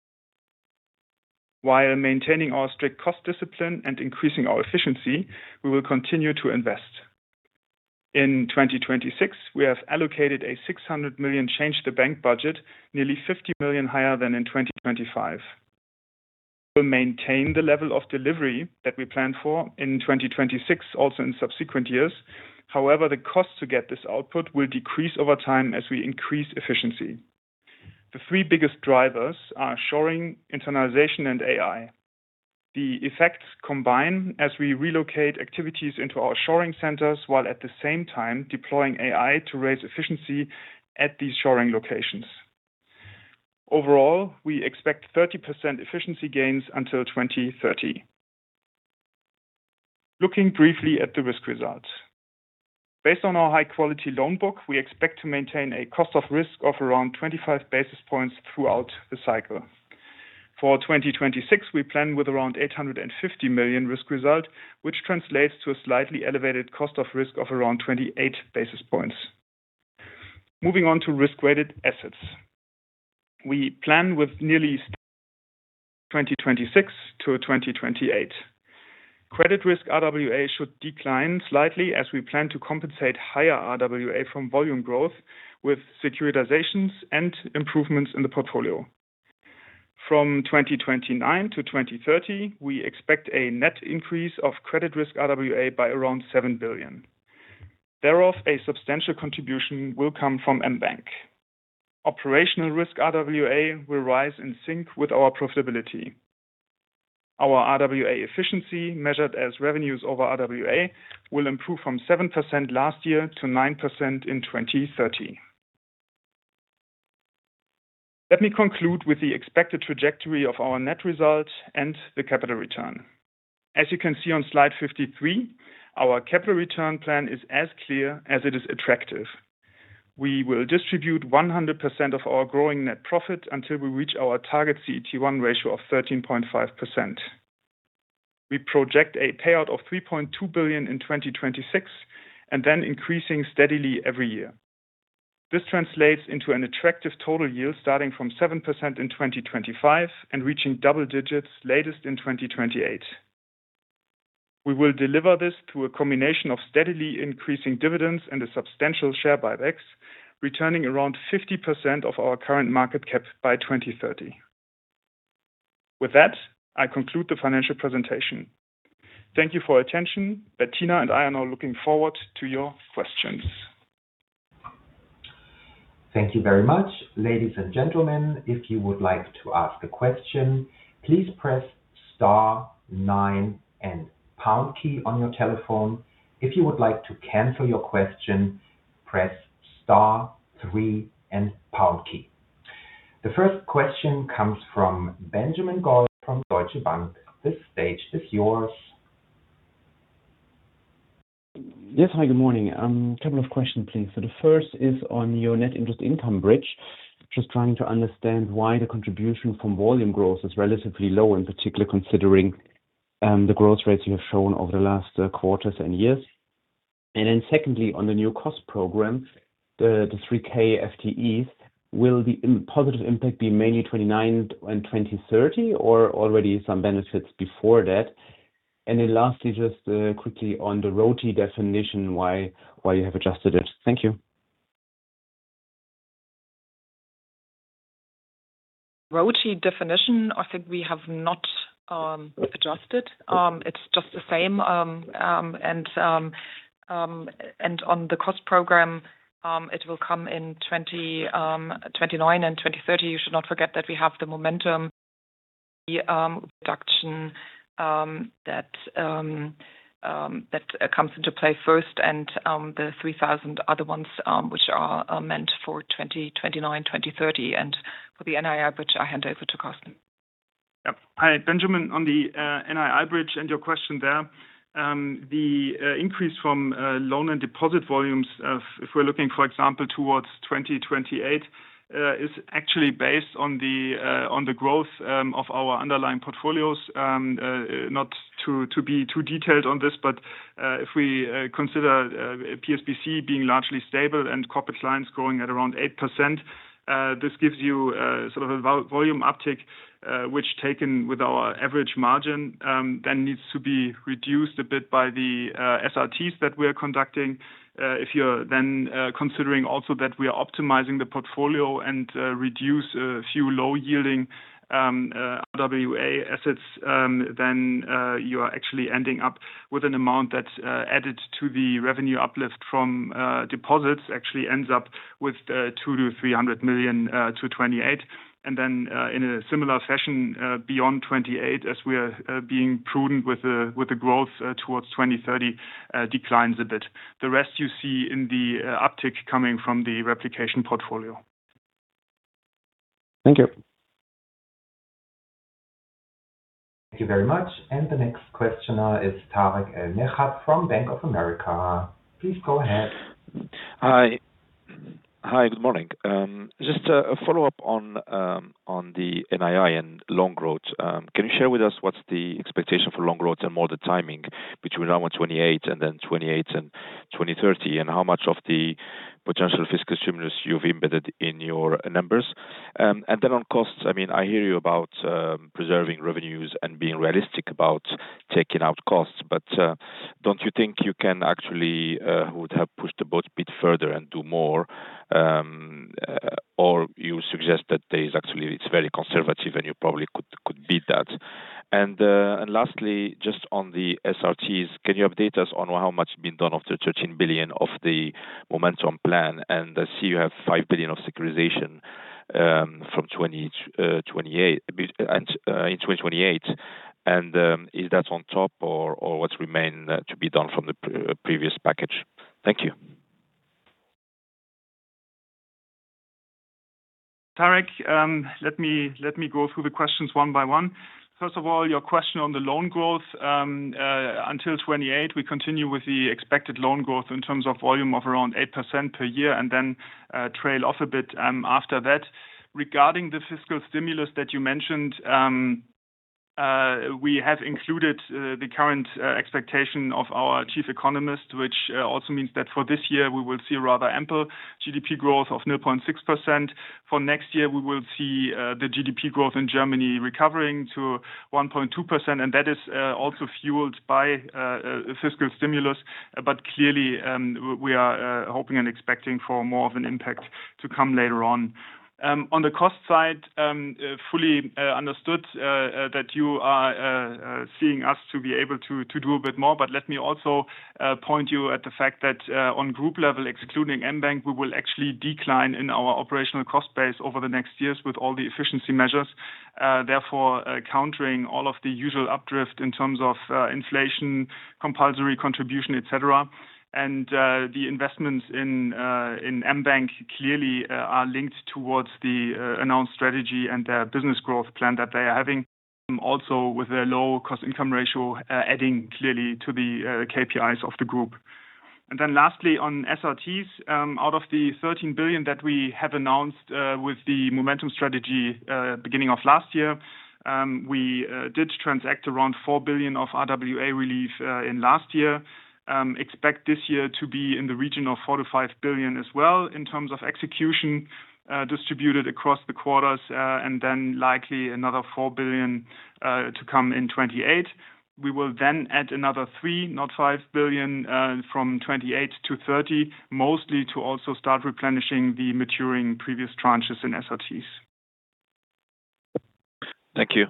While maintaining our strict cost discipline and increasing our efficiency, we will continue to invest. In 2026, we have allocated a 600 million change the bank budget nearly 50 million higher than in 2025. We maintain the level of delivery that we planned for in 2026, also in subsequent years. The cost to get this output will decrease over time as we increase efficiency. The three biggest drivers are shoring, internalization, and AI. The effects combine as we relocate activities into our shoring centers, while at the same time deploying AI to raise efficiency at these shoring locations. We expect 30% efficiency gains until 2030. Looking briefly at the risk results. Based on our high-quality loan book, we expect to maintain a cost of risk of around 25 basis points throughout the cycle. For 2026, we plan with around 850 million risk result, which translates to a slightly elevated cost of risk of around 28 basis points. Moving on to risk-weighted assets. We plan with 2026 to 2028. Credit risk RWA should decline slightly as we plan to compensate higher RWA from volume growth with securitizations and improvements in the portfolio. From 2029 to 2030, we expect a net increase of credit risk RWA by around 7 billion. Thereof, a substantial contribution will come from mBank. Operational risk RWA will rise in sync with our profitability. Our RWA efficiency measured as revenues over RWA will improve from 7% last year to 9% in 2030. Let me conclude with the expected trajectory of our net results and the capital return. As you can see on slide 53, our capital return plan is as clear as it is attractive. We will distribute 100% of our growing net profit until we reach our target CET1 ratio of 13.5%. We project a payout of 3.2 billion in 2026, and then increasing steadily every year. This translates into an attractive total yield starting from 7% in 2025 and reaching double digits latest in 2028. We will deliver this through a combination of steadily increasing dividends and a substantial share buybacks, returning around 50% of our current market cap by 2030. With that, I conclude the financial presentation. Thank you for your attention. Bettina and I are now looking forward to your questions. Thank you very much. Ladies and gentlemen, if you would like to ask a question, please press star nine and pound key on your telephone. If you would like to cancel your question, press star three and pound key. The first question comes from Benjamin Goy from Deutsche Bank. The stage is yours. Yes. Hi, good morning. Couple of questions, please. The first is on your net interest income bridge. Just trying to understand why the contribution from volume growth is relatively low, in particular, considering the growth rates you have shown over the last quarters and years. Secondly, on the new cost program, the 3,000 FTEs, will the positive impact be mainly 2029 and 2030 or already some benefits before that? Lastly, just quickly on the RoTE definition, why you have adjusted it? Thank you. RoTE definition, I think we have not adjusted. It's just the same. On the cost program, it will come in 2029 and 2030. You should not forget that we have the momentum, the reduction, that comes into play first and the 3,000 other ones, which are meant for 2029, 2030. For the NII, which I hand over to Carsten. Yep. Hi, Benjamin, on the NII bridge and your question there, the increase from loan and deposit volumes, if we're looking, for example, towards 2028, is actually based on the on the growth of our underlying portfolios. Not to be too detailed on this, but if we consider PSBC being largely stable and Corporate Clients growing at around 8%, this gives you sort of a volume uptick, which taken with our average margin, then needs to be reduced a bit by the SRTs that we are conducting. Considering also that we are optimizing the portfolio and reduce a few low-yielding RWA assets, you are actually ending up with an amount that's added to the revenue uplift from deposits actually ends up with 200 million-300 million to 2028. In a similar fashion, beyond 2028, as we are being prudent with the growth towards 2030, declines a bit. The rest you see in the uptick coming from the replication portfolio. Thank you. Thank you very much. The next questioner is Tarik El Mejjad from Bank of America. Please go ahead. Hi. Hi, good morning. Just a follow-up on on the NII and loan growth. Can you share with us what's the expectation for loan growth and more the timing between now and 2028 and then 2028 and 2030, and how much of the potential fiscal stimulus you've embedded in your numbers? On costs, I mean, I hear you about preserving revenues and being realistic about taking out costs, but don't you think you can actually would have pushed the boat a bit further and do more? Or you suggest that there is actually it's very conservative and you probably could beat that. Lastly, just on the SRTs, can you update us on how much has been done of the 13 billion of the Momentum plan? I see you have 5 billion of securitization. From 2028, and in 2028, is that on top or what remain to be done from the previous package? Thank you. Tarik, let me go through the questions one by one. First of all, your question on the loan growth. Until 2028 we continue with the expected loan growth in terms of volume of around 8% per year, and then trail off a bit after that. Regarding the fiscal stimulus that you mentioned, we have included the current expectation of our chief economist, which also means that for this year we will see rather ample GDP growth of 0.6%. For next year, we will see the GDP growth in Germany recovering to 1.2%, and that is also fueled by fiscal stimulus. Clearly, we are hoping and expecting for more of an impact to come later on. On the cost side, fully understood that you are seeing us to be able to do a bit more. Let me also point you at the fact that on group level, excluding mBank, we will actually decline in our operational cost base over the next years with all the efficiency measures, therefore, countering all of the usual up drift in terms of inflation, compulsory contribution, et cetera. The investments in mBank clearly are linked towards the announced strategy and their business growth plan that they are having, also with their low cost income ratio, adding clearly to the KPIs of the group. Lastly on SRTs, out of the 13 billion that we have announced with the Momentum 2030 strategy beginning of last year, we did transact around 4 billion of RWA relief in last year. Expect this year to be in the region of 4 billion-5 billion as well in terms of execution, distributed across the quarters. Likely another 4 billion to come in 2028. We will add another 3 billion, not 5 billion, from 2028 to 2030, mostly to also start replenishing the maturing previous tranches in SRTs. Thank you.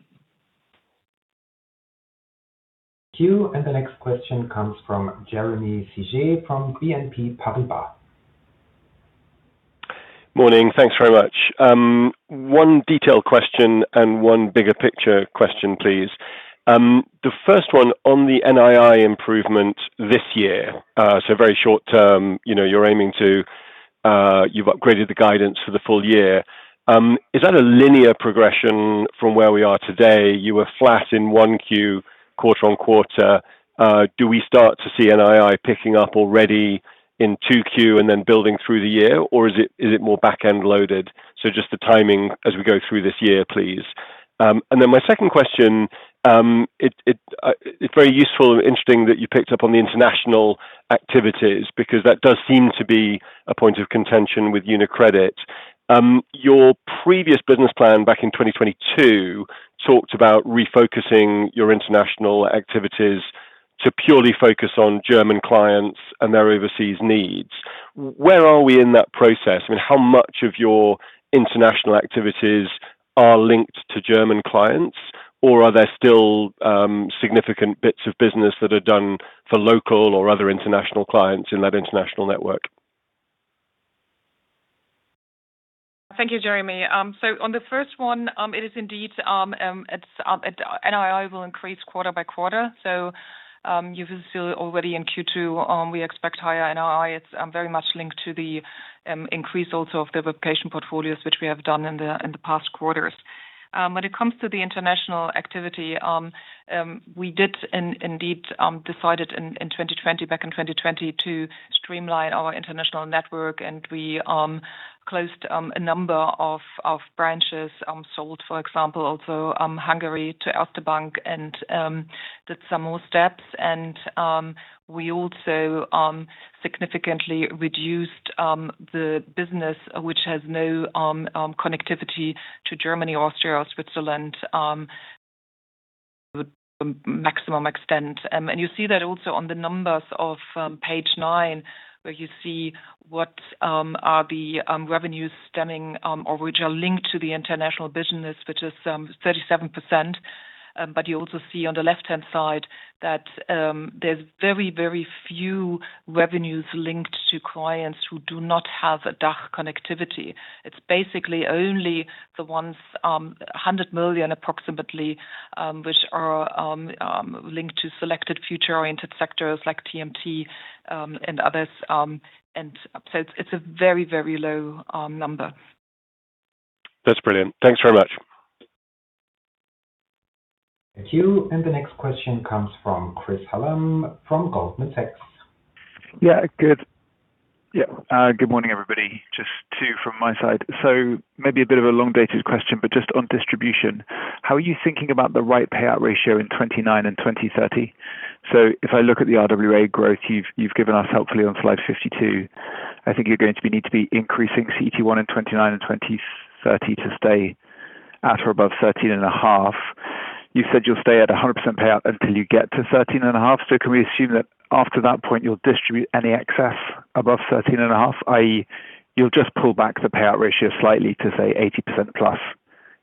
Thank you. The next question comes from Jeremy Sigee from BNP Paribas. Morning. Thanks very much. One detailed question and one bigger picture question, please. The first one on the NII improvement this year. Very short-term, you know, you're aiming to, you've upgraded the guidance for the full-year. Is that a linear progression from where we are today? You were flat in 1Q, quarter-on-quarter. Do we start to see NII picking up already in 2Q and then building through the year, or is it more back-end loaded? Just the timing as we go through this year, please. My second question, it's very useful and interesting that you picked up on the international activities because that does seem to be a point of contention with UniCredit. Your previous business plan back in 2022 talked about refocusing your international activities to purely focus on German clients and their overseas needs. Where are we in that process? I mean, how much of your international activities are linked to German clients, or are there still significant bits of business that are done for local or other international clients in that international network? Thank you, Jeremy. On the first one, it is indeed NII will increase quarter by quarter. You can see already in Q2, we expect higher NII. It's very much linked to the increase also of the replication portfolio, which we have done in the past quarters. When it comes to the international activity, we did indeed decided in 2020, back in 2020 to streamline our international network, and we closed a number of branches, sold, for example, also Hungary to Erste Bank and did some more steps. We also significantly reduced the business which has no connectivity to Germany, Austria or Switzerland, maximum extent. You see that also on the numbers of page nine, where you see what are the revenues stemming or which are linked to the international business, which is 37%. You also see on the left-hand side that there's very, very few revenues linked to clients who do not have a DACH connectivity. It's basically only the ones, 100 million approximately, which are linked to selected future-oriented sectors like TMT and others. It's a very, very low number. That's brilliant. Thanks very much. Thank you. The next question comes from Chris Hallam from Goldman Sachs. Good. Good morning, everybody. Just two from my side. Maybe a bit of a long-dated question, but just on distribution, how are you thinking about the right payout ratio in 2029 and 2030? If I look at the RWA growth you've given us helpfully on slide 52, I think you're need to be increasing CET1 in 2029 and 2030 to stay at or above 13.5%. You said you'll stay at a 100% payout until you get to 13.5%. Can we assume that after that point you'll distribute any excess above 13.5%, i.e.? You'll just pull back the payout ratio slightly to say 80%+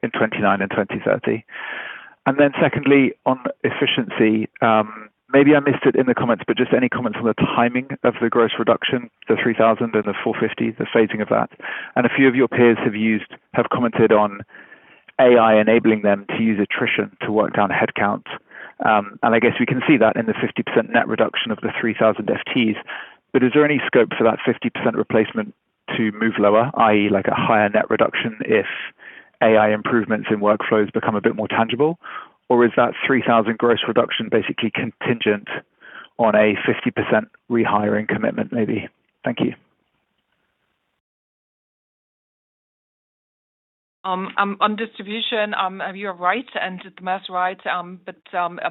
in 2029 and 2030. Secondly, on efficiency, maybe I missed it in the comments, but just any comments on the timing of the gross reduction, the 3,000 and the 450, the phasing of that. A few of your peers have commented on AI enabling them to use attrition to work down headcount. I guess we can see that in the 50% net reduction of the 3,000 FTEs. Is there any scope for that 50% replacement to move lower, i.e., like a higher net reduction if AI improvements in workflows become a bit more tangible? Is that 3,000 gross reduction basically contingent on a 50% rehiring commitment, maybe? Thank you. On distribution, you're right and Tarik's right.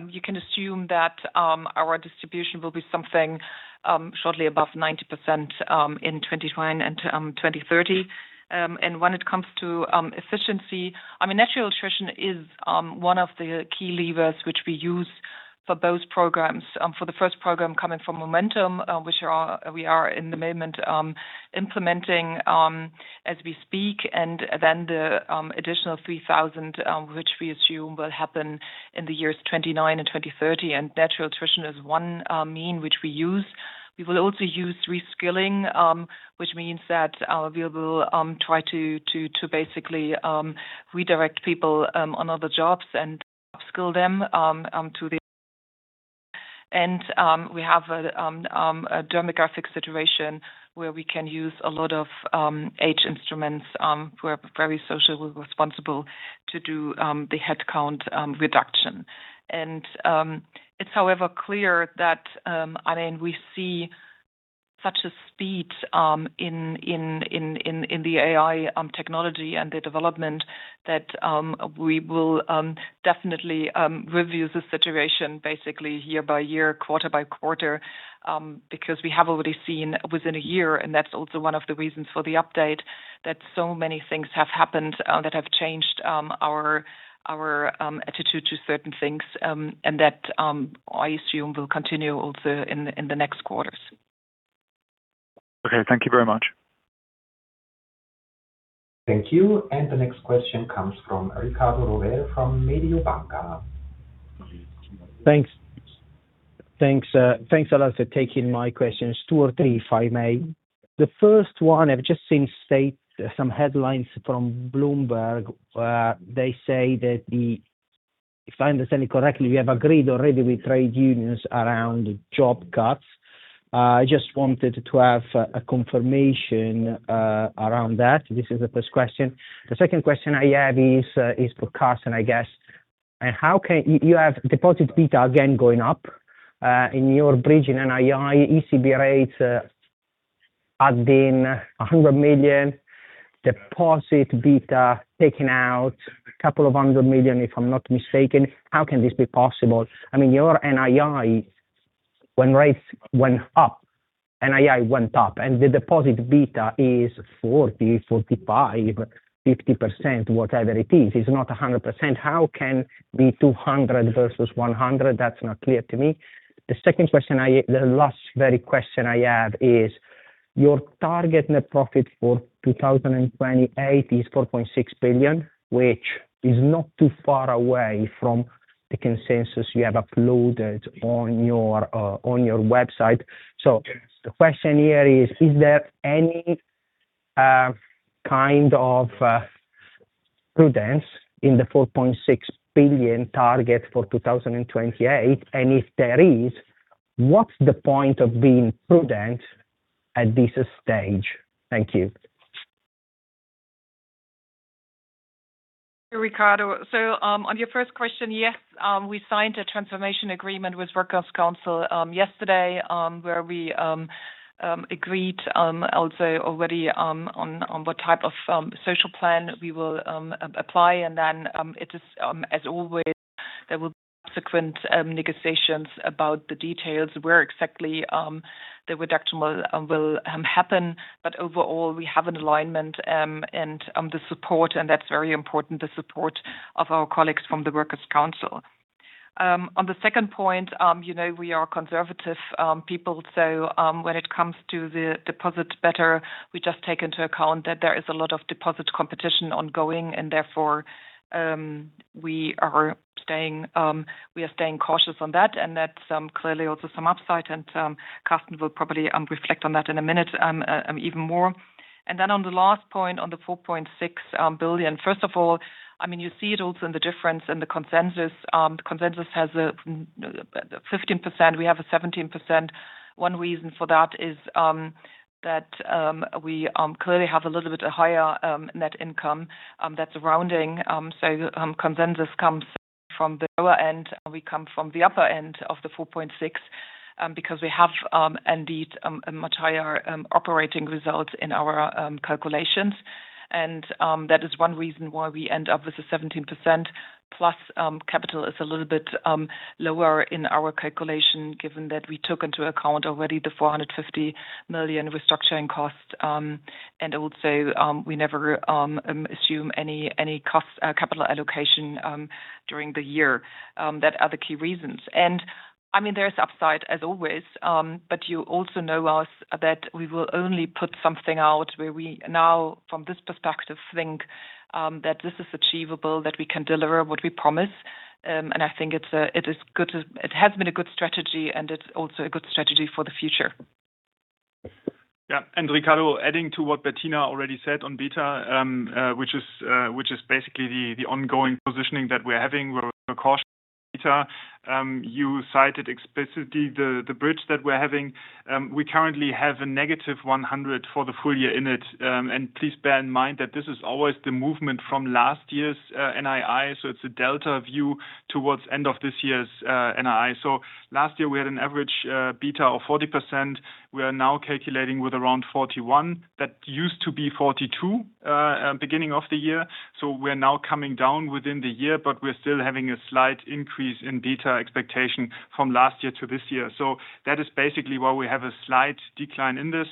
You can assume that our distribution will be something shortly above 90% in 2029 and 2030. And when it comes to efficiency, I mean, natural attrition is one of the key levers which we use for both programs. For the first program coming from Momentum, which we are in the moment implementing as we speak, and then the additional 3,000, which we assume will happen in the years 2029 and 2030. And natural attrition is one mean which we use. We will also use reskilling, which means that we will try to basically redirect people on other jobs and upskill them. We have a demographic situation where we can use a lot of age instruments, we're very socially responsible to do the headcount reduction. It's however clear that, I mean, we see such a speed in the AI technology and the development that we will definitely review the situation basically year by year, quarter by quarter, because we have already seen within a year, and that's also one of the reasons for the update, that so many things have happened that have changed our attitude to certain things, and that I assume will continue also in the next quarters. Okay. Thank you very much. Thank you. The next question comes from Riccardo Rovere from Mediobanca. Thanks. Thanks, thanks a lot for taking my questions. Two or three, if I may. The first one, I've just seen some headlines from Bloomberg. They say that if I understand it correctly, we have agreed already with trade unions around job cuts. I just wanted to have a confirmation around that. This is the first question. The second question I have is for Carsten, I guess. How can you have deposit beta again going up in your bridging NII, ECB rates adding 100 million, deposit beta taking out 200 million, if I'm not mistaken. How can this be possible? I mean your NII when rates went up, NII went up. The deposit beta is 40%, 45%, 50%, whatever it is. It's not 100%. How can be 200 million versus 100 million? That's not clear to me. The second question the last very question I have is, your target net profit for 2028 is 4.6 billion, which is not too far away from the consensus you have uploaded on your website. The question here is there any kind of prudence in the 4.6 billion target for 2028? If there is, what's the point of being prudent at this stage? Thank you. Riccardo. On your first question, yes, we signed a transformation agreement with Workers' Council yesterday, where we agreed also already on what type of social plan we will apply. It is as always, there will be subsequent negotiations about the details, where exactly the reduction will happen. Overall, we have an alignment and the support, and that's very important, the support of our colleagues from the Workers' Council. On the second point, you know, we are conservative people, when it comes to the deposit better, we just take into account that there is a lot of deposit competition ongoing, and therefore, we are staying cautious on that. That's clearly also some upside, and Carsten will probably reflect on that in a minute even more. Then on the last point, on the 4.6 billion, first of all, I mean, you see it also in the difference in the consensus. The consensus has a 15%, we have a 17%. One reason for that is that we clearly have a little bit higher net income, that's rounding. Consensus comes from the lower end, and we come from the upper end of the 4.6 billion because we have indeed a much higher operating results in our calculations. That is one reason why we end up with a 17%+, capital is a little bit lower in our calculation, given that we took into account already the 450 million restructuring costs. Also, we never assume any costs, capital allocation during the year. That are the key reasons. I mean, there's upside as always, but you also know us that we will only put something out where we now from this perspective think that this is achievable, that we can deliver what we promise. I think it has been a good strategy, and it's also a good strategy for the future. Yeah. Riccardo, adding to what Bettina already said on beta, which is basically the ongoing positioning that we're having. We're cautious beta. You cited explicitly the bridge that we're having. We currently have a -100 for the full-year in it. Please bear in mind that this is always the movement from last year's NII, so it's a delta view towards end of this year's NII. Last year we had an average beta of 40%. We are now calculating with around 41%. That used to be 42% beginning of the year. We're now coming down within the year, but we're still having a slight increase in beta expectation from last year to this year. That is basically why we have a slight decline in this.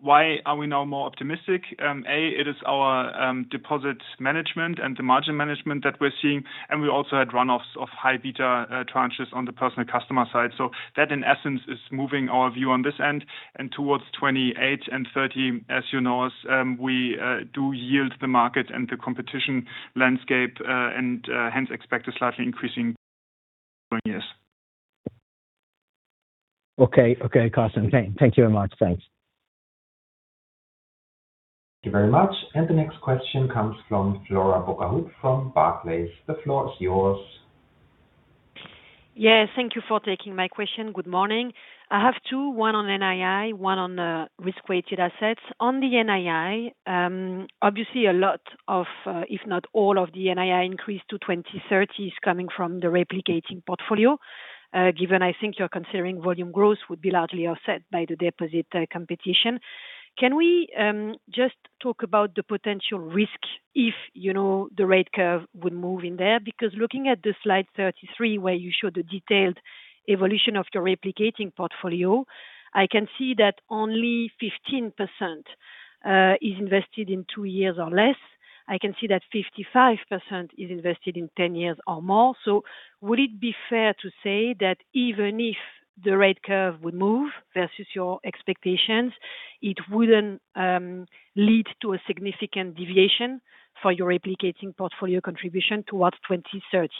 Why are we now more optimistic? A, it is our deposit management and the margin management that we're seeing, and we also had runoffs of high beta tranches on the personal customer side. That in essence is moving our view on this end. Towards 2028 and 2030, as you know us, we do yield the market and the competition landscape, and hence expect a slightly increasing during years. Okay. Okay, Carsten. Thank you very much. Thanks. Thank you very much. The next question comes from Flora Bocahut from Barclays. The floor is yours. Yeah, thank you for taking my question. Good morning. I have two, one on NII, one on risk-weighted assets. On the NII, obviously a lot of, if not all of the NII increase to 2030 is coming from the replication portfolio. Given I think you're considering volume growth would be largely offset by the deposit competition. Can we just talk about the potential risk if, you know, the rate curve would move in there? Looking at the slide 33 where you show the detailed evolution of the replication portfolio, I can see that only 15% is invested in two years or less. I can see that 55% is invested in 10 years or more. Would it be fair to say that even if the rate curve would move versus your expectations, it wouldn't lead to a significant deviation for your replicating portfolio contribution towards 2030?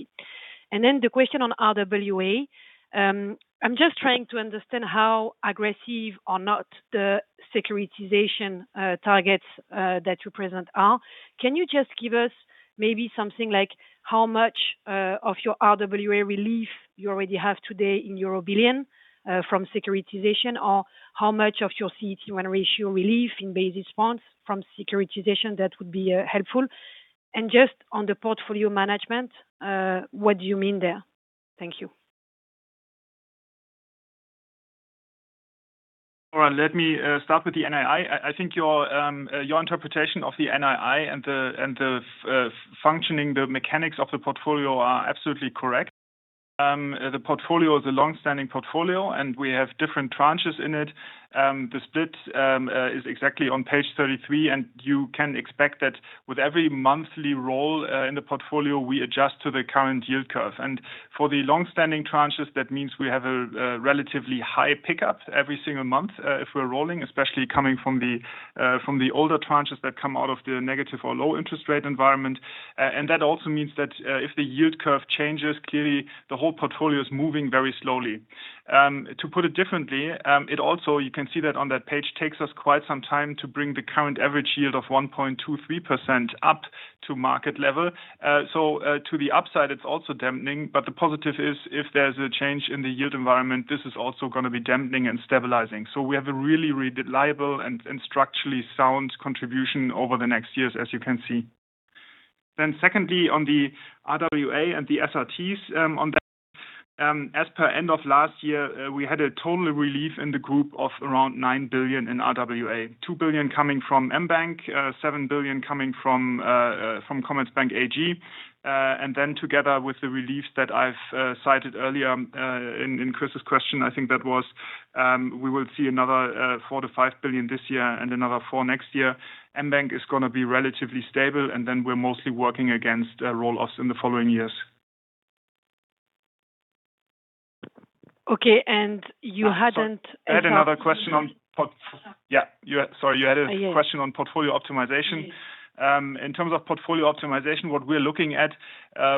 The question on RWA. I'm just trying to understand how aggressive or not the securitization targets that you present are. Can you just give us maybe something like how much of your RWA relief you already have today in euro billion from securitization, or how much of your CET1 ratio relief in basis points from securitization? That would be helpful. Just on the portfolio management, what do you mean there? Thank you. All right. Let me start with the NII. I think your interpretation of the NII and the functioning, the mechanics of the portfolio are absolutely correct. The portfolio is a long-standing portfolio, and we have different tranches in it. The split is exactly on page 33, and you can expect that with every monthly roll in the portfolio, we adjust to the current yield curve. For the long-standing tranches, that means we have a relatively high pickup every single month, if we're rolling, especially coming from the older tranches that come out of the negative or low interest rate environment. That also means that if the yield curve changes, clearly the whole portfolio is moving very slowly. To put it differently, it also, you can see that on that page, takes us quite some time to bring the current average yield of 1.23% up to market level. To the upside, it's also dampening, but the positive is if there's a change in the yield environment, this is also gonna be dampening and stabilizing. We have a really reliable and structurally sound contribution over the next years, as you can see. Secondly, on the RWA and the SRTs, on that, as per end of last year, we had a total relief in the group of around 9 billion in RWA. 2 billion coming from mBank, 7 billion coming from Commerzbank AG. Together with the relief that I've cited earlier, in Chris' question, I think that was, we will see another 4 billion-5 billion this year and another 4 billion next year. mBank is gonna be relatively stable, and then we're mostly working against roll-offs in the following years. Okay. You hadn't- Sorry. You had another question on. Yeah. Yeah. You had Sorry. Yes. Question on portfolio optimization. In terms of portfolio optimization, what we're looking at,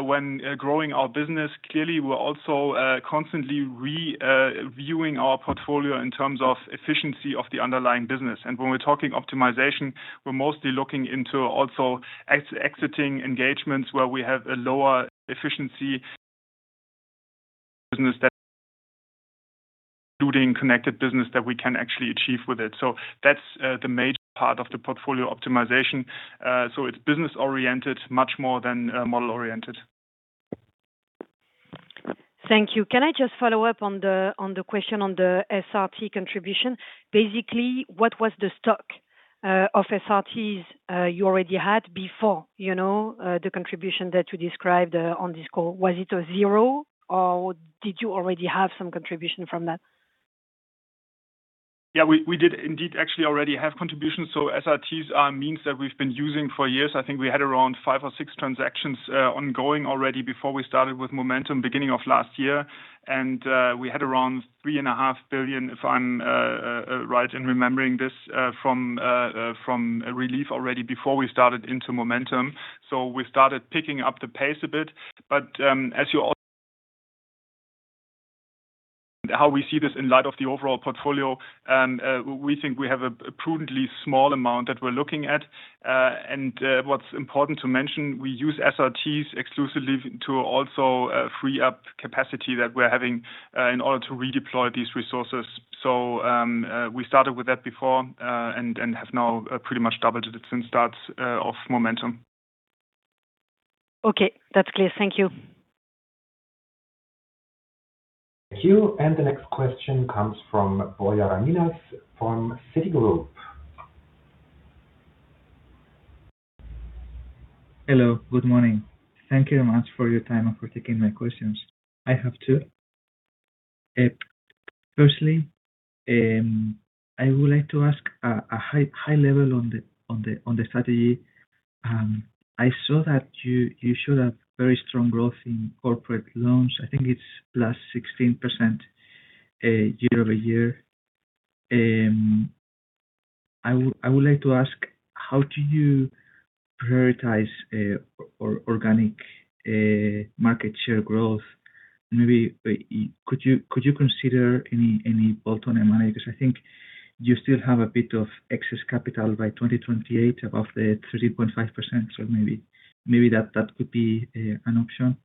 when growing our business, clearly we're also constantly reviewing our portfolio in terms of efficiency of the underlying business. When we're talking optimization, we're mostly looking into also exiting engagements where we have a lower efficiency business that including connected business that we can actually achieve with it. That's the major part of the portfolio optimization. It's business-oriented much more than model-oriented. Thank you. Can I just follow up on the, on the question on the SRT contribution? Basically, what was the stock of SRTs you already had before, you know, the contribution that you described on this call? Was it a zero, or did you already have some contribution from that? We did indeed actually already have contributions. SRTs are means that we've been using for years. I think we had around five or six transactions ongoing already before we started with Momentum beginning of last year. We had around 3.5 billion, if I'm right in remembering this, from relief already before we started into Momentum. We started picking up the pace a bit. As we see this in light of the overall portfolio, we think we have a prudently small amount that we're looking at. What's important to mention, we use SRTs exclusively to also free up capacity that we're having in order to redeploy these resources. We started with that before, and have now pretty much doubled it since start of Momentum. Okay. That's clear. Thank you. Thank you. The next question comes from Borja Ramirez from Citigroup. Hello. Good morning. Thank you very much for your time and for taking my questions. I have two. Firstly, I would like to ask a high level on the strategy. I saw that you showed a very strong growth Corporate Clients loans. I think it's +16% year-over-year. I would like to ask, how do you prioritize organic market share growth? Maybe could you consider any bolt-on M&A? I think you still have a bit of excess capital by 2028 above the 3.5%. Maybe that could be an option.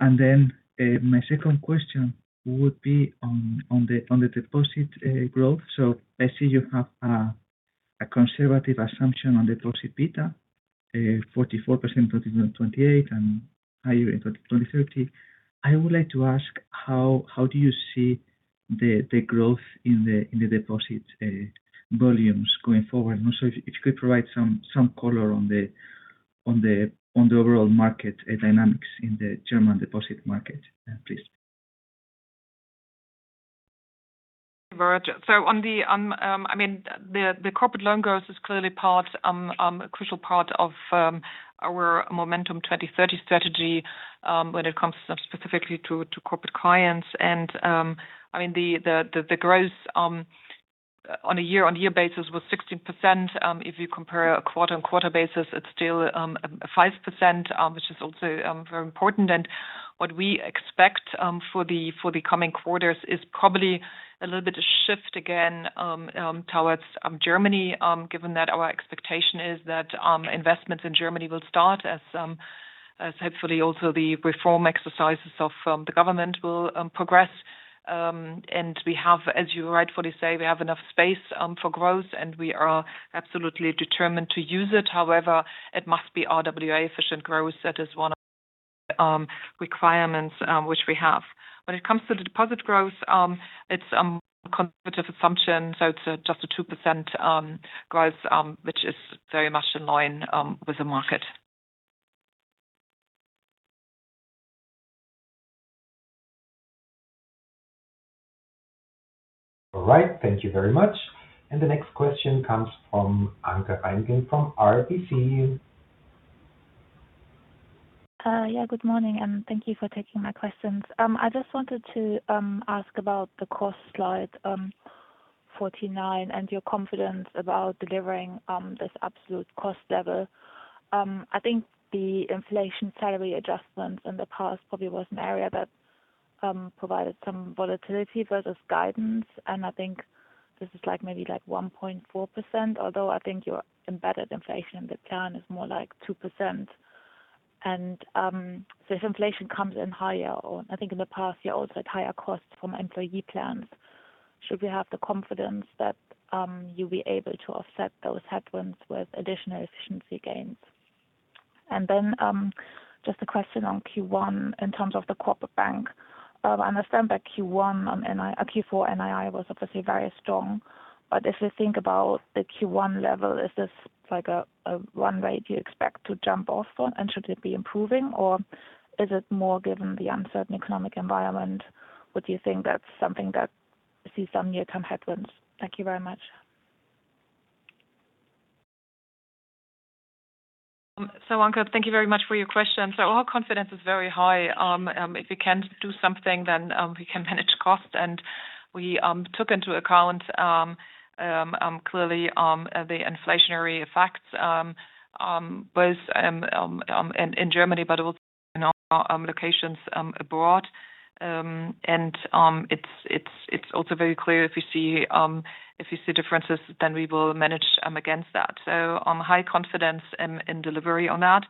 Then my second question would be on the deposit growth. I see you have a conservative assumption on deposit beta, 44% in 2028 and higher in 2030. I would like to ask how do you see the growth in the deposit volumes going forward? Also if you could provide some color on the overall market dynamics in the German deposit market, please. On the, I mean, the corporate loan growth is clearly part, a crucial part of our Momentum 2030 strategy when it comes specifically to Corporate Clients. I mean, the growth on a year-on-year basis was 16%. If you compare a quarter-on-quarter basis, it's still 5%, which is also very important. What we expect for the coming quarters is probably a little bit of shift again towards Germany. Given that our expectation is that investments in Germany will start as hopefully also the reform exercises of the government will progress. We have, as you rightfully say, we have enough space for growth, and we are absolutely determined to use it. However, it must be RWA efficient growth. That is one of the requirements which we have. When it comes to the deposit growth, it's conservative assumption, so it's just a 2% growth which is very much in line with the market. All right. Thank you very much. The next question comes from Anke Reingen from RBC. Yeah, good morning, thank you for taking my questions. I just wanted to ask about the cost slide, 49, your confidence about delivering this absolute cost level. I think the inflation salary adjustments in the past probably was an area that provided some volatility versus guidance, I think this is like maybe like 1.4%, although I think your embedded inflation in the plan is more like 2%. If inflation comes in higher, I think in the past, you had higher costs from employee plans. Should we have the confidence that you'll be able to offset those headwinds with additional efficiency gains? Just a question on Q1 in terms of the corporate bank. I understand that Q1 on Q4 NII was obviously very strong. If we think about the Q1 level, is this like a run rate you expect to jump off on and should it be improving? Or is it more given the uncertain economic environment? Would you think that's something that sees some year come headwinds? Thank you very much. Anke, thank you very much for your question. Our confidence is very high. If we can do something, we can manage cost. We took into account clearly the inflationary effects both in Germany, but also in our locations abroad. It's also very clear if you see if you see differences, we will manage against that. High confidence in delivery on that.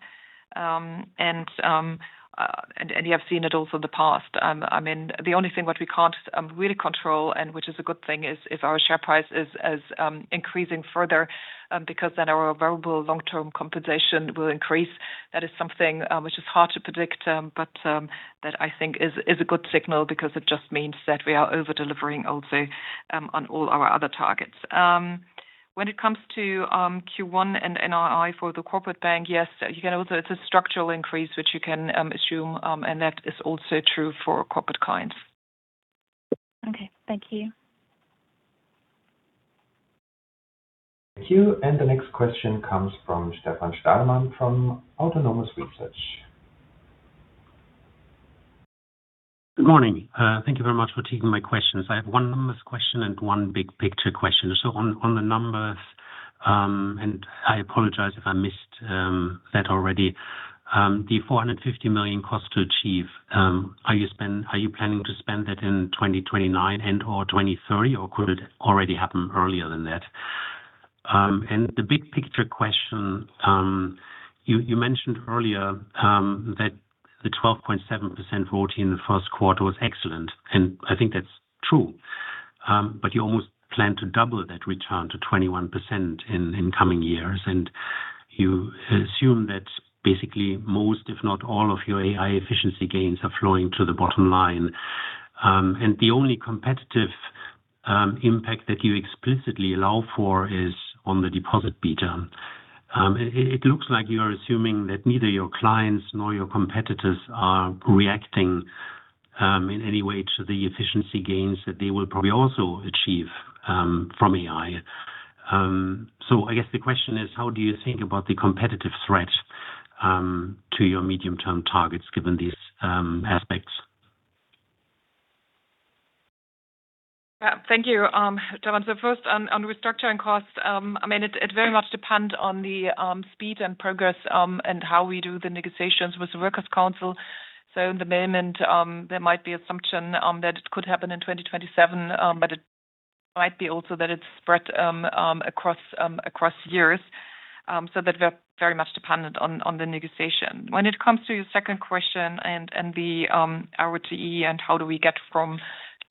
You have seen it also in the past. I mean, the only thing what we can't really control and which is a good thing is if our share price is increasing further, our variable long-term compensation will increase. That is something, which is hard to predict, but that I think is a good signal because it just means that we are over-delivering also, on all our other targets. When it comes to Q1 and NII for the corporate bank, yes, you can also it's a structural increase which you can assume, and that is also true for Corporate Clients. Okay. Thank you. Thank you. The next question comes from Stefan Stalmann from Autonomous Research. Good morning. Thank you very much for taking my questions. I have one numbers question and one big picture question. On, on the numbers, and I apologize if I missed that already. The 450 million cost to achieve, are you planning to spend that in 2029 and/or 2030, or could it already happen earlier than that? The big picture question, you mentioned earlier that the 12.7% RoTE in the first quarter was excellent, and I think that's true. You almost plan to double that return to 21% in coming years. You assume that basically most, if not all of your AI efficiency gains are flowing to the bottom line. The only competitive impact that you explicitly allow for is on the deposit beta. It looks like you are assuming that neither your clients nor your competitors are reacting in any way to the efficiency gains that they will probably also achieve from AI. I guess the question is: How do you think about the competitive threat to your medium-term targets given these aspects? Yeah. Thank you, Stefan. First on restructuring costs, I mean, it very much depend on the speed and progress and how we do the negotiations with the Workers' Council. In the moment, there might be assumption that it could happen in 2027, but it might be also that it's spread across years. That we're very much dependent on the negotiation. When it comes to your second question and the RoTE and how do we get from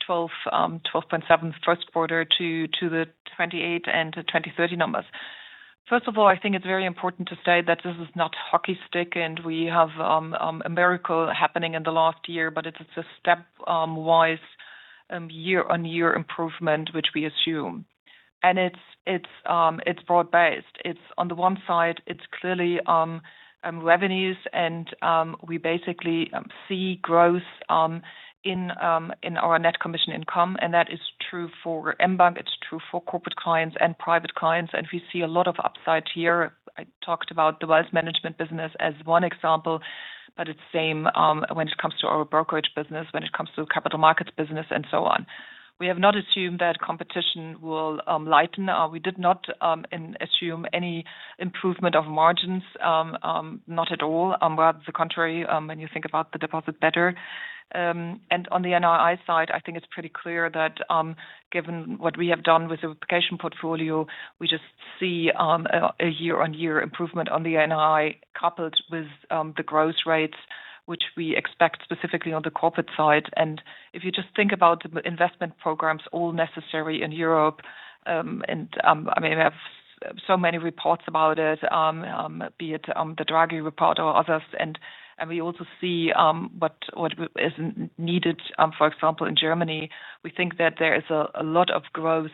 12.7% first quarter to the 2028 and to 2030 numbers. First of all, I think it's very important to say that this is not hockey stick, and we have a miracle happening in the last year, but it's a step-wise year-on-year improvement which we assume. It's broad-based. It's on the one side, it's clearly revenues and we basically see growth in our net commission income, and that is true for mBank, it's true for Corporate Clients and Private Clients. We see a lot of upside here. I talked about the wealth management business as one example, but it's same when it comes to our brokerage business, when it comes to capital markets business, and so on. We have not assumed that competition will lighten. We did not assume any improvement of margins, not at all. Well, the contrary, when you think about the deposit better. On the NII side, I think it's pretty clear that, given what we have done with the replication portfolio, we just see a year-on-year improvement on the NII coupled with the growth rates which we expect specifically on the corporate side. If you just think about the investment programs all necessary in Europe, I mean, we have so many reports about it, be it the Draghi report or others. We also see what is needed, for example, in Germany. We think that there is a lot of growth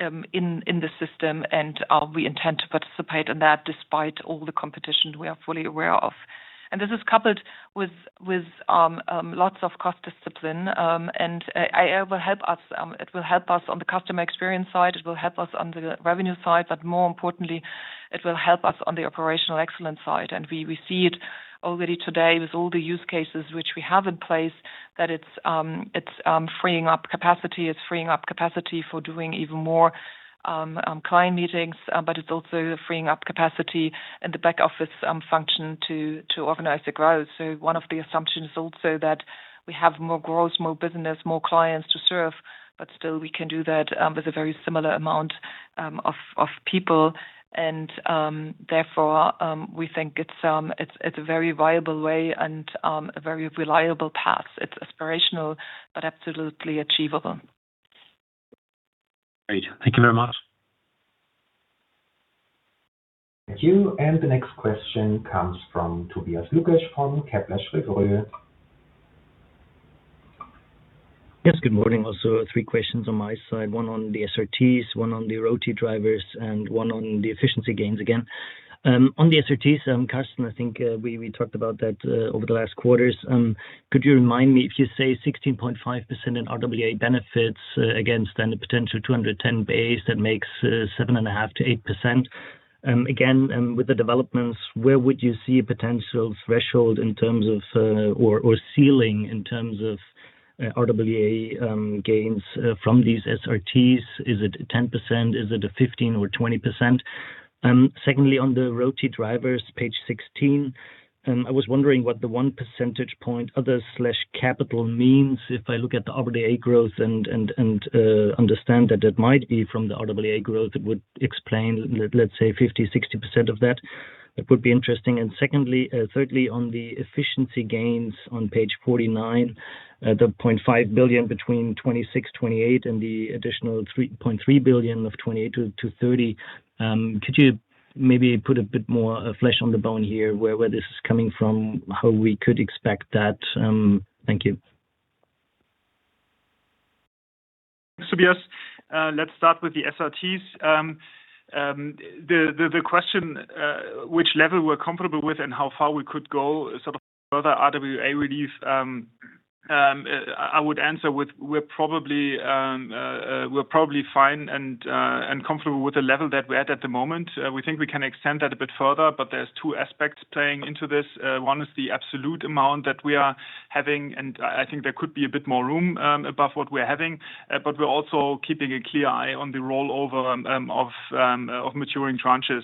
in the system, and we intend to participate in that despite all the competition we are fully aware of. This is coupled with lots of cost discipline. AI will help us. It will help us on the customer experience side, it will help us on the revenue side, but more importantly, it will help us on the operational excellence side. We see it already today with all the use cases which we have in place that it's freeing up capacity. It's freeing up capacity for doing even more client meetings, but it's also freeing up capacity in the back office function to organize the growth. One of the assumptions is also that we have more growth, more business, more clients to serve, but still we can do that with a very similar amount of people. Therefore, we think it's a very viable way and a very reliable path. It's aspirational but absolutely achievable. Great. Thank you very much. Thank you. The next question comes from Tobias Lukesch from Kepler Cheuvreux. Yes. Good morning. Also three questions on my side. One on the SRTs, one on the RoTE drivers, and one on the efficiency gains again. On the SRTs, Carsten, I think, we talked about that over the last quarters. Could you remind me if you say 16.5% in RWA benefits against then the potential 210 basis points that makes 7.5%-8%. Again, with the developments, where would you see a potential threshold in terms of, or ceiling in terms of, RWA gains from these SRTs? Is it 10%? Is it a 15% or 20%? Secondly, on the RoTE drivers, page 16, I was wondering what the 1 percentage point other slash capital means. If I look at the RWA growth and understand that it might be from the RWA growth, it would explain let's say 50%-60% of that. That would be interesting. Secondly, thirdly, on the efficiency gains on page 49, the 0.5 billion between 2026-2028 and the additional 3.3 billion of 2028 to 2030. Could you maybe put a bit more flesh on the bone here where this is coming from, how we could expect that? Thank you. Thanks, Tobias. Let's start with the SRTs. The question which level we're comfortable with and how far we could go sort of further RWA relief, I would answer with we're probably fine and comfortable with the level that we're at at the moment. We think we can extend that a bit further, there's two aspects playing into this. One is the absolute amount that we are having, I think there could be a bit more room above what we're having. We're also keeping a clear eye on the rollover of maturing tranches.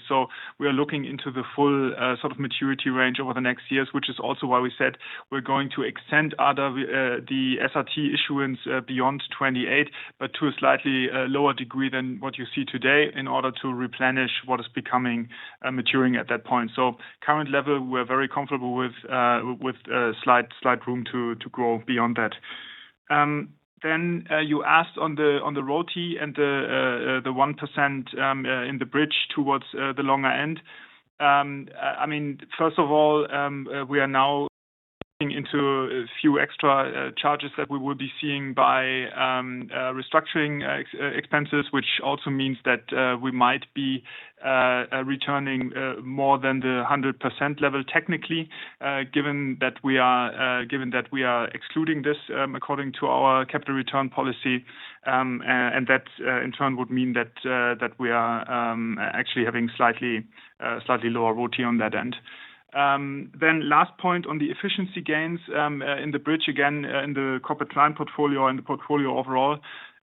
We are looking into the full sort of maturity range over the next years, which is also why we said we're going to extend other the SRT issuance beyond 2028, but to a slightly lower degree than what you see today in order to replenish what is becoming maturing at that point. Current level, we're very comfortable with slight room to grow beyond that. You asked on the on the RoTE and the 1% in the bridge towards the longer end. I mean, first of all, we are now looking into a few extra charges that we will be seeing by restructuring expenses, which also means that we might be returning more than the 100% level technically, given that we are excluding this, according to our capital return policy. That in turn would mean that we are actually having slightly lower RoTE on that end. Last point on the efficiency gains, in the bridge again, in the corporate loan portfolio and the portfolio overall.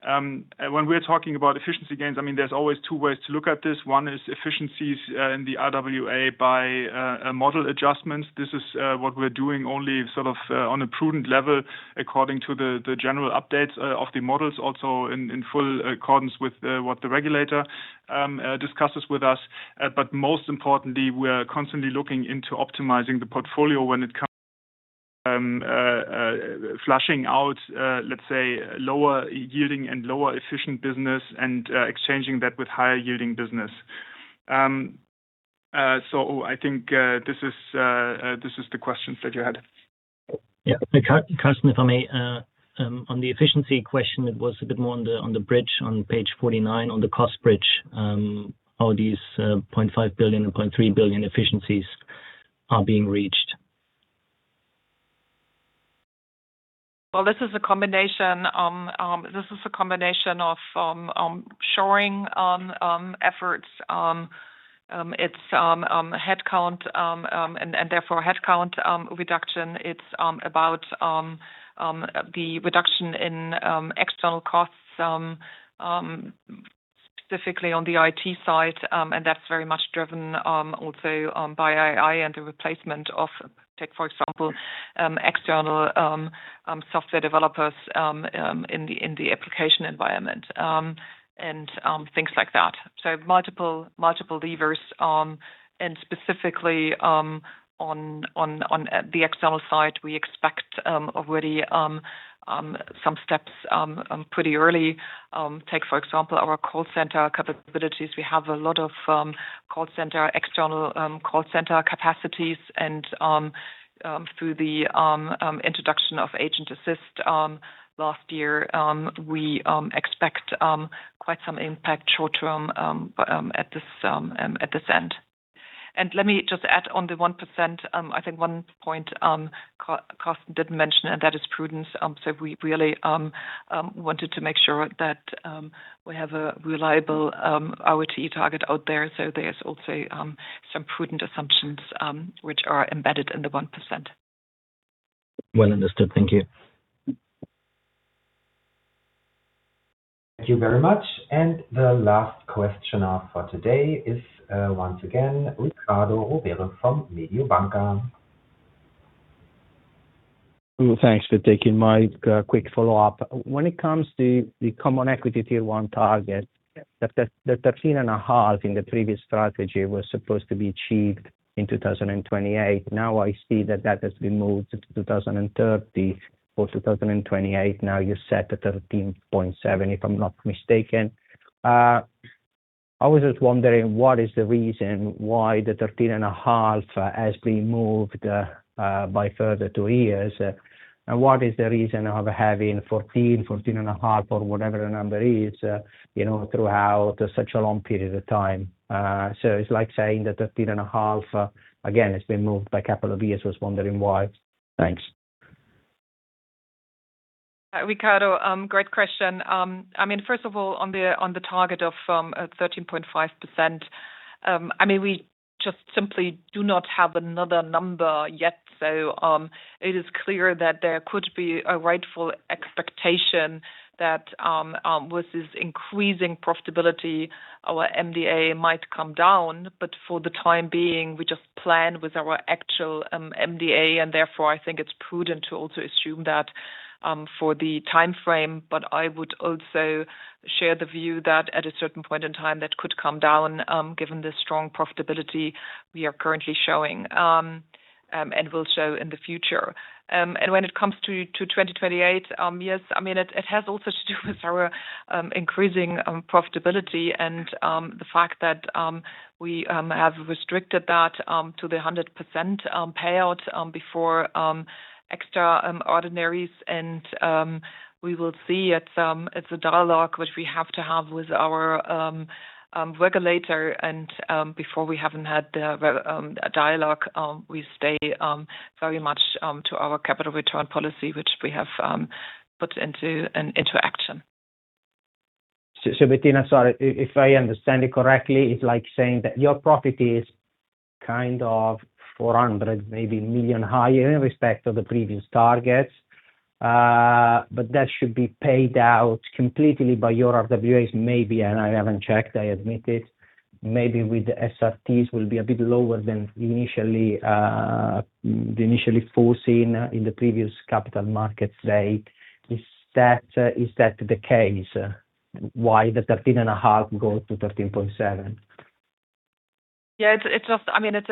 When we're talking about efficiency gains, I mean, there's always two ways to look at this. One is efficiencies in the RWA by model adjustments. This is what we're doing only sort of on a prudent level according to the general updates of the models also in full accordance with what the regulator discusses with us. Most importantly, we are constantly looking into optimizing the portfolio when it comes flushing out, let's say, lower yielding and lower efficient business and exchanging that with higher yielding business. I think this is the questions that you had. Yeah. Carsten, if I may, on the efficiency question, it was a bit more on the bridge on page 49, on the cost bridge, how these 0.5 billion and 0.3 billion efficiencies are being reached. This is a combination of shoring on efforts. It's headcount and therefore headcount reduction. It's about the reduction in external costs, specifically on the IT side, and that's very much driven also by AI and the replacement of, take for example, external software developers in the application environment and things like that. So multiple levers, and specifically on the external side, we expect already some steps pretty early. Take, for example, our call center capabilities. We have a lot of call center, external call center capacities, and through the introduction of Agent Assist last year, we expect quite some impact short term at this end. Let me just add on the 1%, I think one point Carsten didn't mention, and that is prudence. We really wanted to make sure that we have a reliable RoTE target out there. There's also some prudent assumptions which are embedded in the 1%. Well understood. Thank you. Thank you very much. The last questioner for today is once again, Riccardo Rovere from Mediobanca. Thanks for taking my quick follow-up. When it comes to the common equity tier one target, the 13.5% in the previous strategy was supposed to be achieved in 2028. Now I see that that has been moved to 2030. For 2028, now you set a 13.7%, if I'm not mistaken. I was just wondering what is the reason why the 13.5% has been moved by further two years? What is the reason of having 14.5% or whatever the number is, you know, throughout such a long period of time? It's like saying the 13.5%, again, has been moved by a couple of years. Just wondering why. Thanks. Riccardo, great question. First of all, on the target of 13.5%, we just simply do not have another number yet. It is clear that there could be a rightful expectation that with this increasing profitability, our MDA might come down. For the time being, we just plan with our actual MDA, and therefore I think it's prudent to also assume that for the timeframe. I would also share the view that at a certain point in time, that could come down, given the strong profitability we are currently showing and will show in the future. When it comes to 2028, yes, I mean, it has also to do with our increasing profitability and the fact that we have restricted that to the 100% payout before extra ordinaries. We will see it's a dialogue which we have to have with our regulator and before we haven't had the dialogue, we stay very much to our capital return policy which we have put into an interaction. Bettina, sorry, if I understand it correctly, it's like saying that your profit is kind of 400 million higher in respect of the previous targets. That should be paid out completely by your RWA maybe, and I haven't checked, I admit it. Maybe with the SRTs will be a bit lower than initially foreseen in the previous capital markets day. Is that, is that the case why the 13.5% goes to 13.7%? Yeah. It's just I mean, it's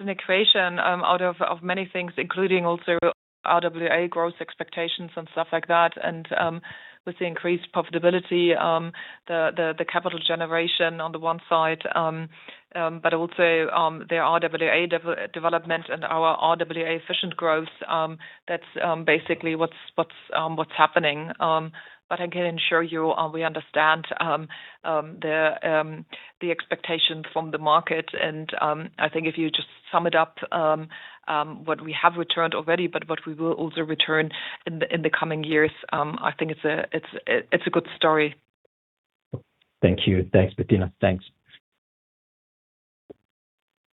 an equation out of many things, including also RWA growth expectations and stuff like that. With the increased profitability, the capital generation on the one side, but also the RWA development and our RWA efficient growth, that's basically what's happening. I can assure you, we understand the expectation from the market. I think if you just sum it up, what we have returned already, but what we will also return in the coming years, I think it's a good story. Thank you. Thanks, Bettina. Thanks.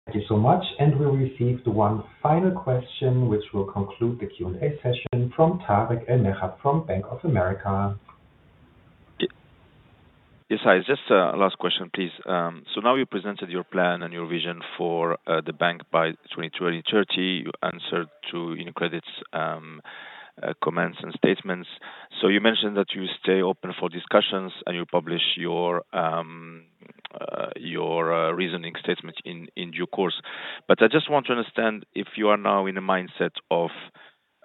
Thank you so much. We'll receive the one final question which will conclude the Q&A session from Tarik El Mejjad from Bank of America. Yes, hi. Just a last question, please. Now you presented your plan and your vision for the bank by 2030. You answered to UniCredit's comments and statements. You mentioned that you stay open for discussions and you publish your reasoning statement in due course. I just want to understand if you are now in a mindset of,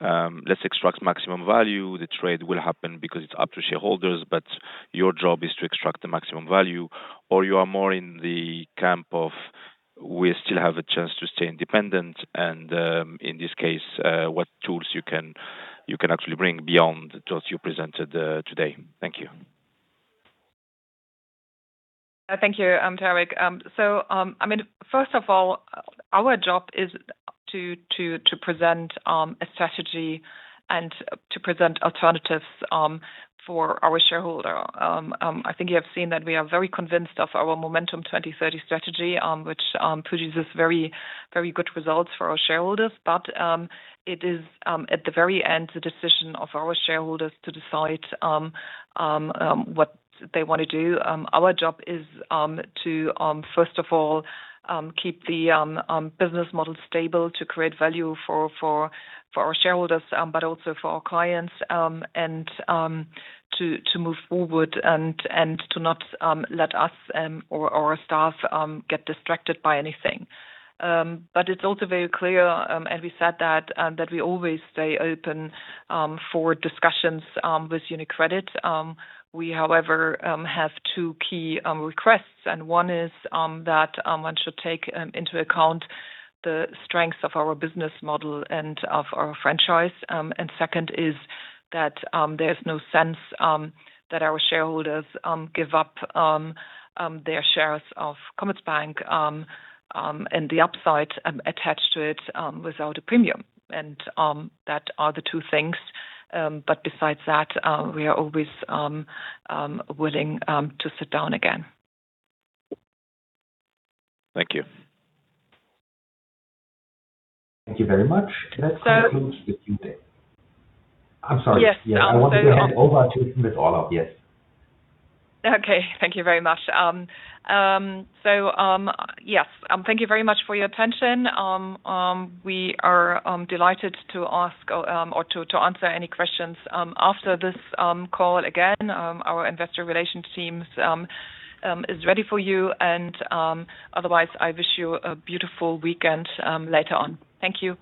let's extract maximum value, the trade will happen because it's up to shareholders, but your job is to extract the maximum value, or you are more in the camp of we still have a chance to stay independent, and in this case, what tools you can actually bring beyond the tools you presented today. Thank you. Thank you, Tarik. I mean, first of all, our job is to present a strategy and to present alternatives for our shareholder. I think you have seen that we are very convinced of our Momentum 2030 strategy, which produces very good results for our shareholders. It is at the very end, the decision of our shareholders to decide what they want to do. Our job is to first of all, keep the business model stable to create value for our shareholders, but also for our clients, and to move forward and to not let us or our staff get distracted by anything. It's also very clear, and we said that we always stay open for discussions with UniCredit. We, however, have two key requests, and one is that one should take into account the strengths of our business model and of our franchise. And second is that there's no sense that our shareholders give up their shares of Commerzbank and the upside attached to it without a premium. That are the two things. Besides that, we are always willing to sit down again. Thank you. Thank you very much. That concludes the Q&A. So- I'm sorry. Yes. yeah. I wanted to hand over to conclude all of, yes. Okay. Thank you very much. Yes, thank you very much for your attention. We are delighted to ask or to answer any questions after this call. Again, our investor relations teams is ready for you and otherwise, I wish you a beautiful weekend later on. Thank you.